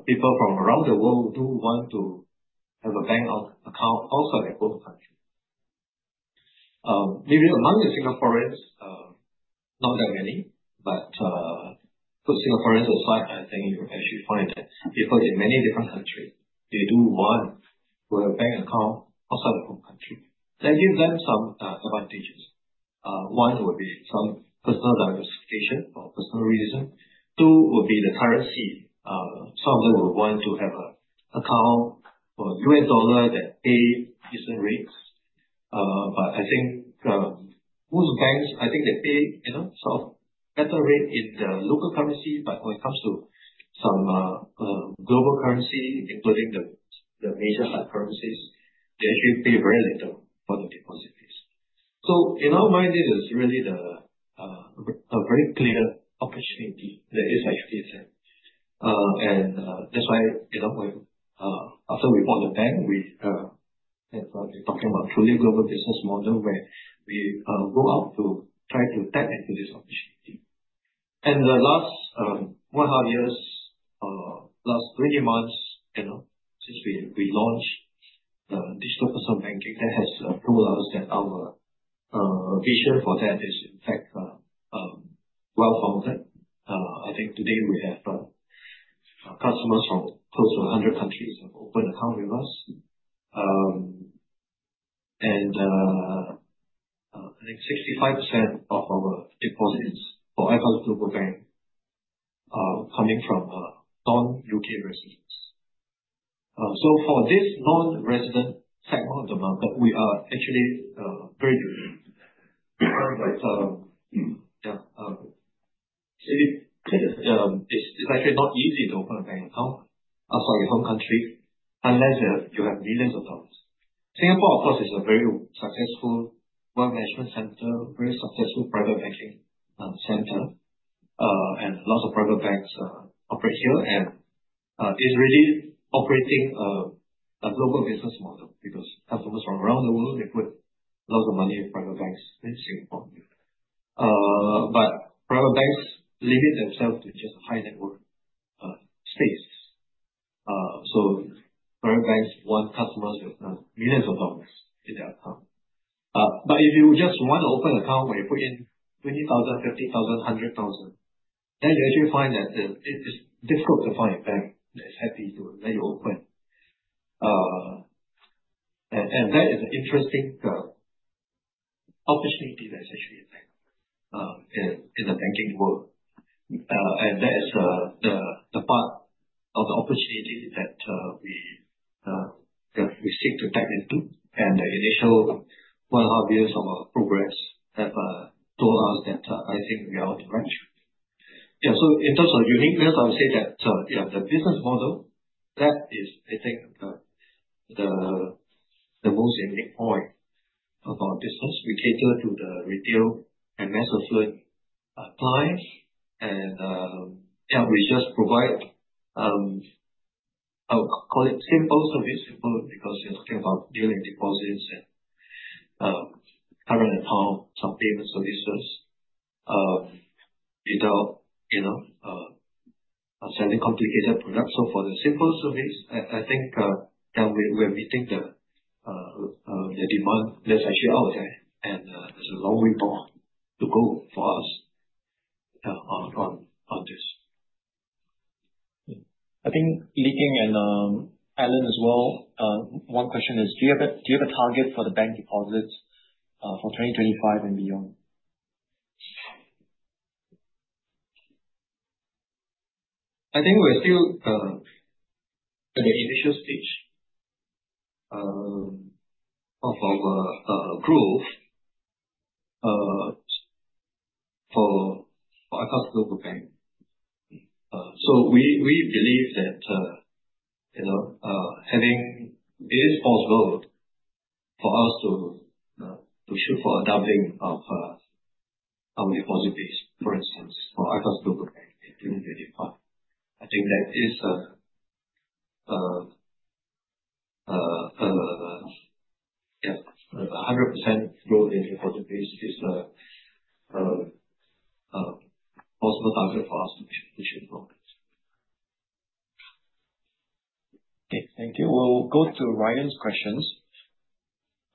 people from around the world do want to have a bank account outside their home country. Maybe among the Singaporeans, not that many. But put Singaporeans aside, I think you actually find that people in many different countries, they do want to have a bank account outside their home country. That gives them some advantages. One would be some personal diversification or personal reason. Two would be the currency. Some of them would want to have an account for U.S. dollar that pays decent rates. But I think most banks, I think they pay sort of better rate in the local currency. But when it comes to some global currency, including the major currencies, they actually pay very little for the deposit fees. So in our mind, it is really a very clear opportunity that is actually there. And that's why after we bought the bank, we started talking about truly a global business model where we go out to try to tap into this opportunity. And the last one and a half years, last 20 months since we launched digital personal banking, that has told us that our vision for that is, in fact, well founded. I think today we have customers from close to 100 countries have opened account with us, and I think 65% of our deposits for iFAST Global Bank are coming from non-U.K. residents. So for this non-resident segment of the market, we are actually very good. But it's actually not easy to open a bank account outside your home country unless you have millions of dollars. Singapore, of course, is a very successful wealth management center, very successful private banking center, and lots of private banks operate here and is really operating a global business model because customers from around the world, they put lots of money in private banks in Singapore. But private banks limit themselves to just a high net worth space. So private banks want customers with millions of dollars in their account. But if you just want to open an account where you put in 20,000, 50,000, 100,000, then you actually find that it is difficult to find a bank that is happy to let you open. And that is an interesting opportunity that is actually in the banking world. And that is the part of the opportunity that we seek to tap into. And the initial one-half years of our progress have told us that I think we are on the right track. Yeah. So in terms of uniqueness, I would say that the business model, that is, I think, the most unique point of our business. We cater to the retail and mass affluent clients. And we just provide, I'll call it simple service, simple because you're talking about dealing deposits and current account, some payment services without selling complicated products. So for the simple service, I think we are meeting the demand that's actually out there. And there's a long way more to go for us on this. I think Lee King and Alan as well. One question is, "do you have a target for the bank deposits for 2025 and beyond?" I think we're still at the initial stage of our growth for iFAST Global Bank. So we believe that having it is possible for us to shoot for a doubling of our deposit base, for instance, for iFAST Global Bank in 2025. I think that is a 100% growth in deposit base is a possible target for us to push it forward. Okay. Thank you. We'll go to Ryan's questions.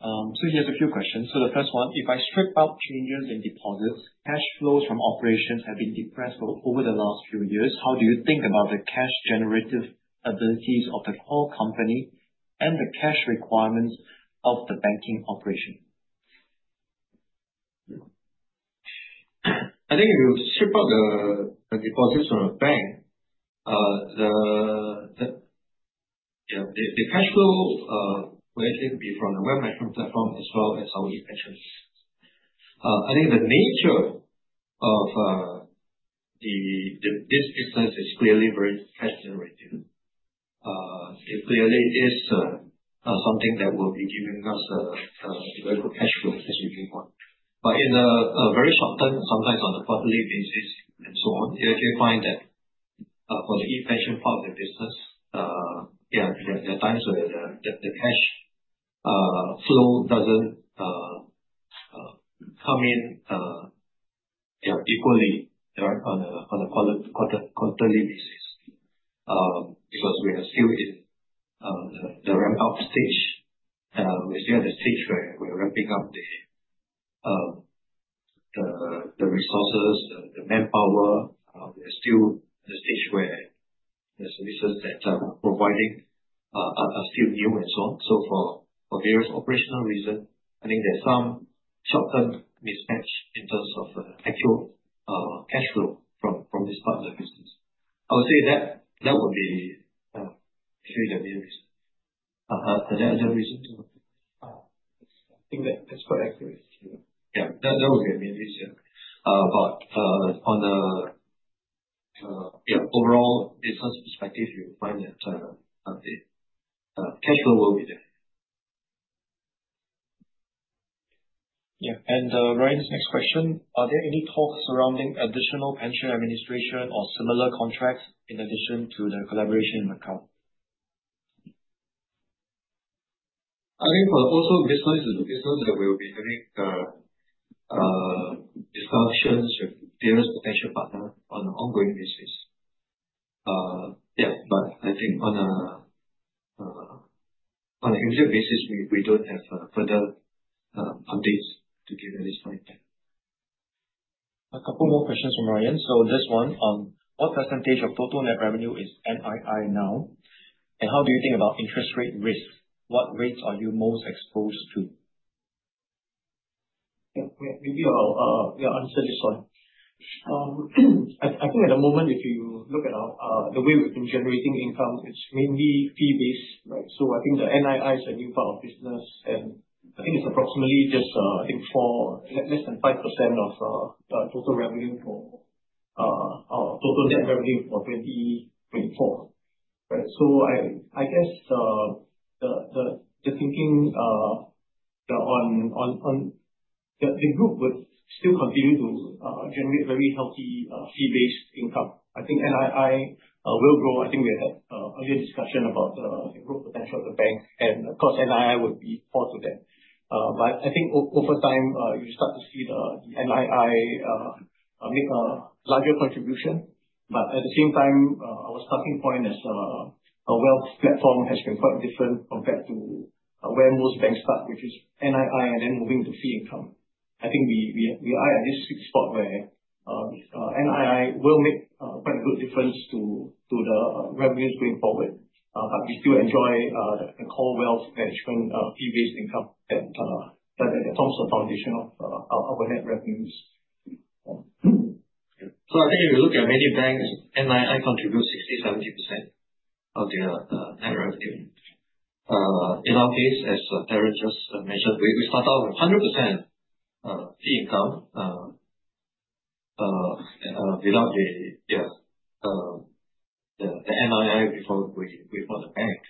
So he has a few questions. So the first one, "if I strip out changes in deposits, cash flows from operations have been depressed over the last few years. How do you think about the cash-generative abilities of the core company and the cash requirements of the banking operation?" I think if you strip out the deposits from the bank, the cash flow will actually be from the wealth management platform as well as our expansion. I think the nature of this business is clearly very cash-generative. Clearly, it is something that will be giving us a very good cash flow as we move on. But in the very short term, sometimes on a quarterly basis and so on, you actually find that for the expansion part of the business, there are times where the cash flow doesn't come in equally on a quarterly basis because we are still in the ramp-up stage. We're still at the stage where we're ramping up the resources, the manpower. We're still at the stage where the services that we're providing are still new and so on. So for various operational reasons, I think there's some short-term mismatch in terms of actual cash flow from this part of the business. I would say that would be actually the main reason. Are there other reasons? I think that's quite accurate. Yeah. That would be the main reason. But on the overall business perspective, you'll find that cash flow will be there. Yeah. And Ryan's next question, "are there any talks surrounding additional pension administration or similar contracts in addition to the collaboration account?" I think for ORSO business is a business that we'll be having discussions with various potential partners on an ongoing basis. Yeah. But I think on an immediate basis, we don't have further updates to give at this point. A couple more questions from Ryan. So this one, what percentage of total net revenue is NII now? And how do you think about interest rate risk? What rates are you most exposed to? Yeah. Maybe I'll answer this one. I think at the moment, if you look at the way we've been generating income, it's mainly fee-based, right? So I think the NII is a new part of business. And I think it's approximately just, I think, less than 5% of total revenue for our total net revenue for 2024, right? So I guess the thinking on the group would still continue to generate very healthy fee-based income. I think NII will grow. I think we had an earlier discussion about the growth potential of the bank. Of course, NII would be part of that. But I think over time, you start to see the NII make a larger contribution. But at the same time, our starting point as a wealth platform has been quite different compared to where most banks start, which is NII and then moving to fee income. I think we are at this spot where NII will make quite a good difference to the revenues going forward. But we still enjoy the core wealth management fee-based income that forms the foundation of our net revenues. So I think if you look at many banks, NII contributes 60%-70% of their net revenue. In our case, as Terence just mentioned, we start out with 100% fee income without the NII before the bank.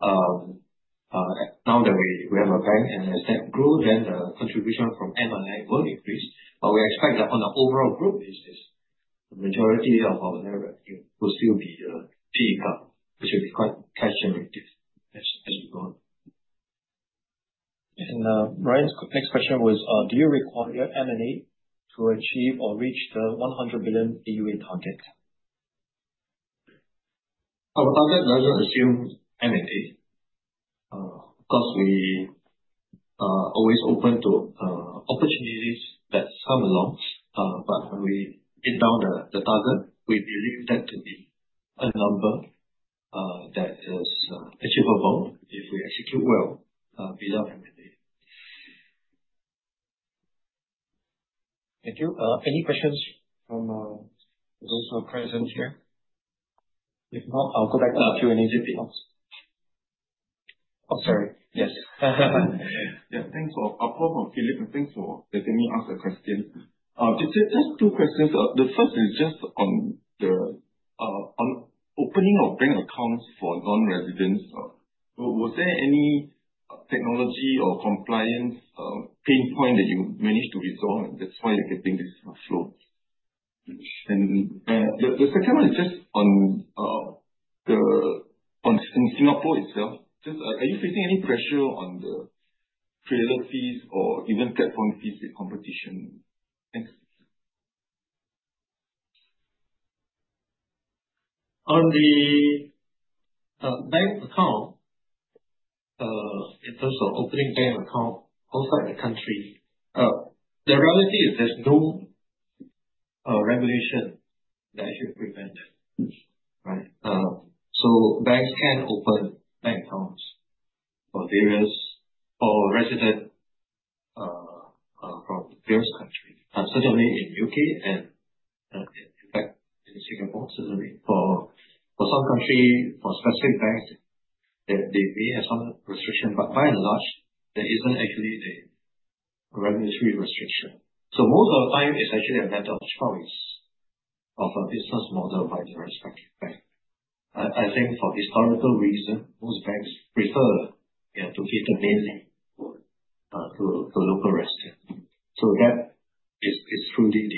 Now that we have a bank and as that grows, then the contribution from NII will increase. But we expect that on the overall group basis, the majority of our net revenue will still be fee income, which will be quite cash-generative as we go on. And Ryan's next question was, "do you require M&A to achieve or reach the 100 billion AUA target?" Our target doesn't assume M&A. Of course, we are always open to opportunities that come along. But when we drill down to the target, we believe that to be a number that is achievable if we execute well without M&A. Thank you. Any questions from those who are present here? If not, I'll go back to a few and answer the next ones. Oh, sorry. Yes. Yeah. Thanks for the follow-up from Philip, and thanks for letting me ask a question. Just two questions. The first is just on the opening of bank accounts for non-residents. Was there any technology or compliance pain point that you managed to resolve? And that's why you're getting this flow. And the second one is just In Singapore itself, just are you facing any pressure on the trailer fees or even platform fees with competition? Thanks. On the bank account, in terms of opening bank account outside the country, the reality is there's no regulation that should prevent that, right? So banks can open bank accounts for residents from various countries, certainly in the U.K. and, in fact, in Singapore, certainly. For some countries, for specific banks, they may have some restrictions. But by and large, there isn't actually a regulatory restriction. So most of the time, it's actually a matter of choice of a business model by the respective bank. I think for historical reasons, most banks prefer to cater mainly to local residents. So that is truly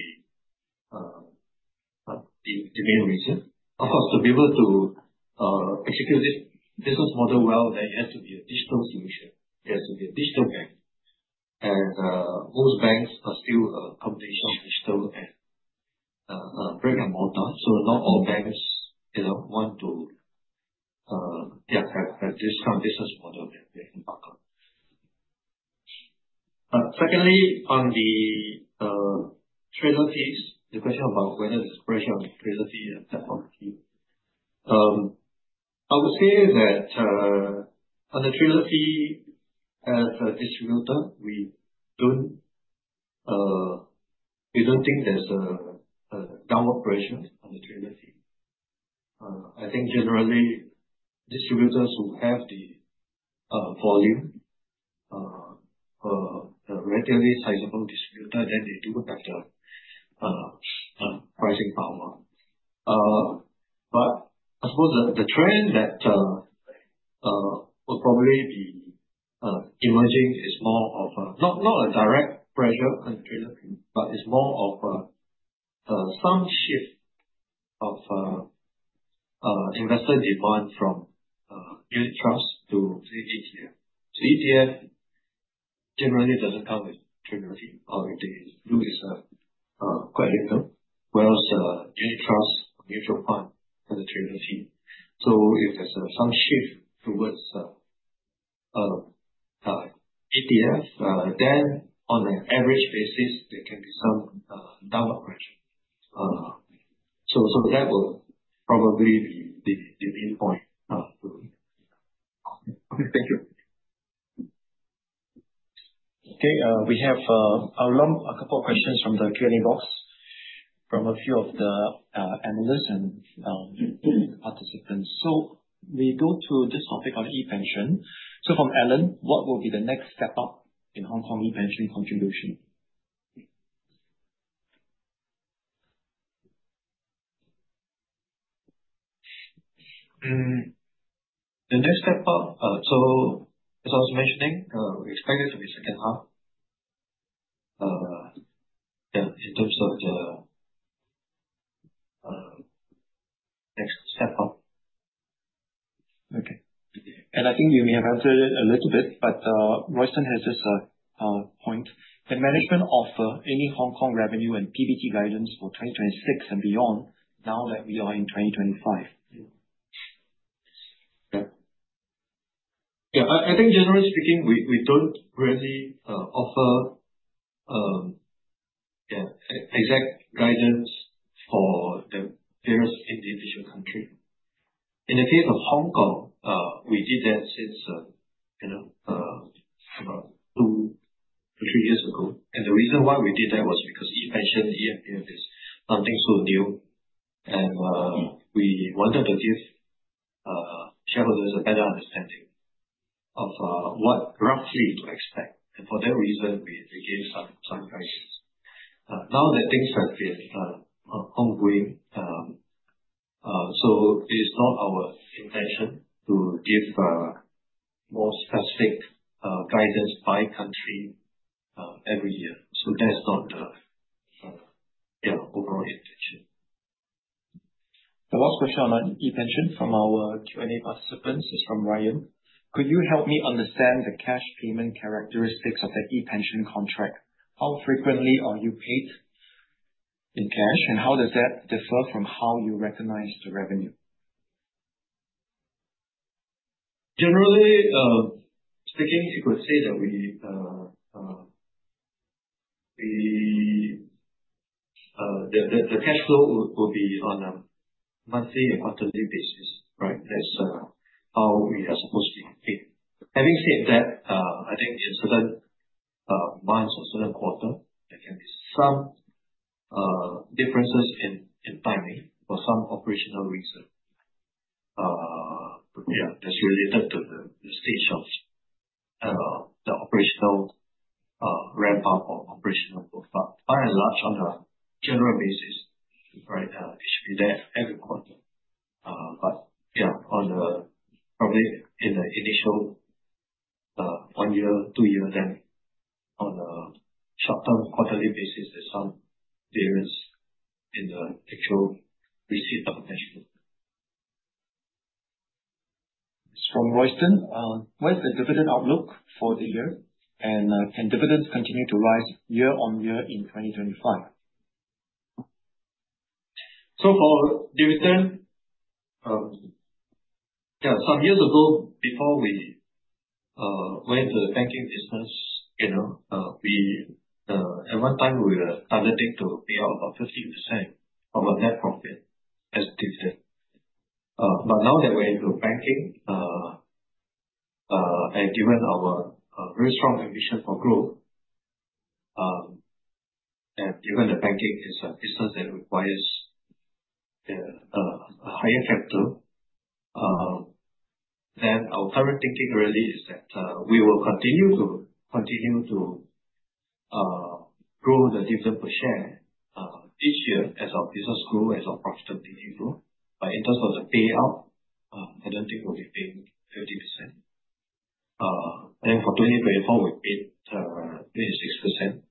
the main reason. Of course, to be able to execute this business model well, there has to be a digital solution. There has to be a digital bank. And most banks are still a combination of digital and brick and mortar. So not all banks want to have this kind of business model that they embark on. Secondly, on the trailer fees, the question about whether there's pressure on the trailer fee and platform fee. I would say that on the trailer fee, as a distributor, we don't think there's a downward pressure on the trailer fee. I think generally, distributors who have the volume, a relatively sizable distributor, then they do have the pricing power. But I suppose the trend that will probably be emerging is more of not a direct pressure on the trailer fee, but it's more of some shift of investor demand from unit trusts to, say, ETF. So ETF generally doesn't come with trailer fee. All they do is quite little, whereas unit trust or mutual fund has a trailer fee. So if there's some shift towards ETF, then on an average basis, there can be some downward pressure. So that will probably be the main point. Okay. Thank you. Okay. We have a couple of questions from the Q&A box from a few of the analysts and participants. So we go to this topic on ePension. So from Allan, "what will be the next step up in Hong Kong ePension contribution?" The next step up, so as I was mentioning, we expect it to be second half in terms of the next step up. Okay. And I think you may have answered it a little bit, but Royston has just a point. "The management offer any Hong Kong revenue and PBT guidance for 2026 and beyond now that we are in 2025?" Yeah. I think generally speaking, we don't really offer exact guidance for the various individual countries. In the case of Hong Kong, we did that since about 2-3 years ago. And the reason why we did that was because ePension, eMPF is something so new. And we wanted to give shareholders a better understanding of what roughly to expect. And for that reason, we gave some guidance. Now that things have been ongoing, so it is not our intention to give more specific guidance by country every year. So that's not the overall intention. The last question on ePension from our Q&A participants is from Ryan. "Could you help me understand the cash payment characteristics of the ePension contract? How frequently are you paid in cash, and how does that differ from how you recognize the revenue?" Generally speaking, you could say that the cash flow will be on a monthly and quarterly basis, right? That's how we are supposed to be paid. Having said that, I think in certain months or certain quarters, there can be some differences in timing for some operational reason. Yeah. That's related to the stage of the operational ramp-up or operational profile. By and large, on a general basis, it should be there every quarter. But yeah, probably in the initial 1 year, 2 years, then on a short-term quarterly basis, there's some variance in the actual receipt of cash flow. From Royston, "what is the dividend outlook for the year, and can dividends continue to rise year-on-year in 2025?" So for dividend, yeah, some years ago, before we went into the banking business, at one time, we were targeting to pay out about 15% of our net profit as dividend. But now that we're into banking, and given our very strong ambition for growth, and given that banking is a business that requires a higher capital, then our current thinking really is that we will continue to grow the dividend per share each year as our business grows, as our profitability grows. But in terms of the payout, I don't think we'll be paying 30%. I think for 2024, we paid 26%.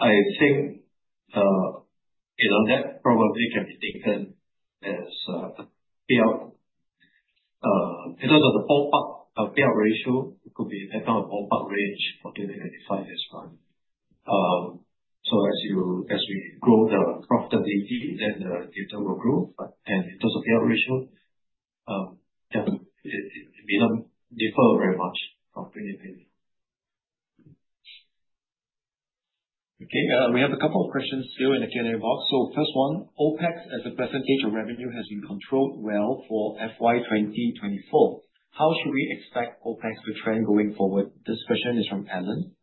I think that probably can be taken as a payout. In terms of the ballpark payout ratio, it could be that kind of ballpark range for 2025 as well. So as we grow the profitability, then the dividend will grow. And in terms of payout ratio, it may not differ very much from 2024. Okay. We have a couple of questions still in the Q&A box. So first one, "OpEx as a percentage of revenue has been controlled well for FY 2024. How should we expect OpEx to trend going forward?" This question is from Allan.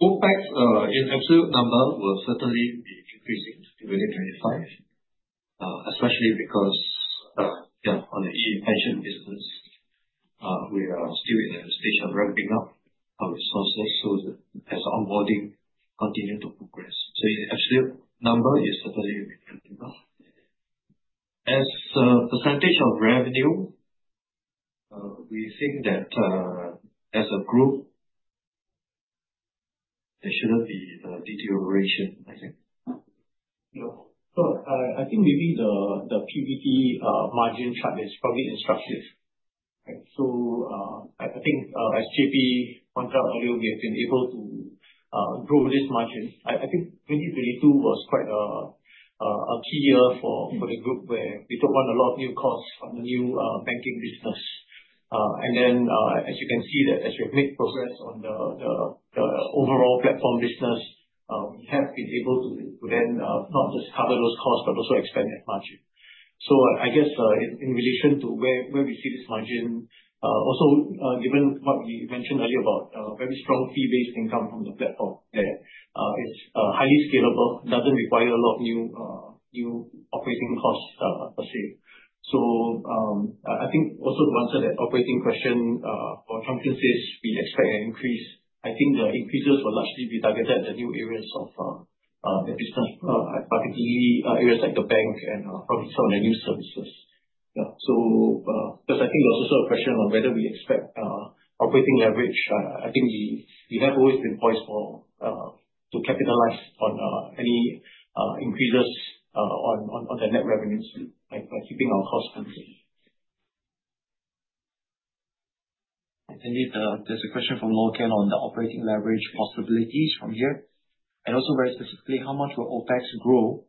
OpEx in absolute number will certainly be increasing in 2025, especially because on the ePension business, we are still in a stage of ramping up our resources so that as onboarding continues to progress. So in absolute number, it's certainly ramping up. As a percentage of revenue, we think that as a group, there shouldn't be deterioration, I think. So I think maybe the PBT margin chart is probably instructive. So I think as JP pointed out earlier, we have been able to grow this margin. I think 2022 was quite a key year for the group where we took on a lot of new costs from the new banking business. And then, as you can see, as we have made progress on the overall platform business, we have been able to then not just cover those costs, but also expand that margin. So I guess in relation to where we see this margin, also given what we mentioned earlier about very strong fee-based income from the platform, that it's highly scalable, doesn't require a lot of new operating costs per se. So I think also to answer that operating question, for Chung Chun's case, we expect an increase. I think the increases will largely be targeted at the new areas of the business, particularly areas like the bank and probably some of the new services. So because I think there was also a question on whether we expect operating leverage, I think we have always been poised to capitalize on any increases on the net revenues by keeping our costs constant. And then there's a question from Morgan on the operating leverage possibilities from here. "And also very specifically, how much will OpEx grow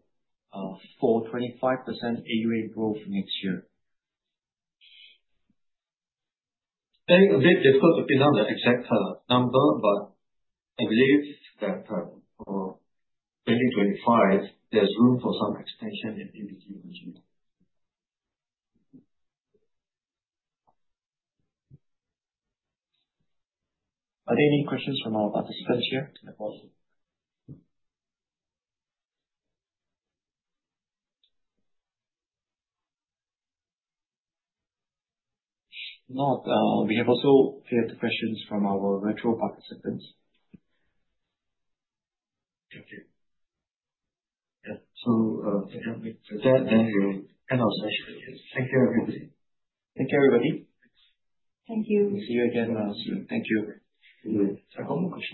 for 25% AUA growth next year?" I think it's a bit difficult to pin down the exact number, but I believe that for 2025, there's room for some extension in EBITDA margin. Are there any questions from our participants here? Not. We have also heard questions from our remote participants. Thank you. So that will end our session. Thank you, everybody. Thank you, everybody. Thank you. We'll see you again soon. Thank you.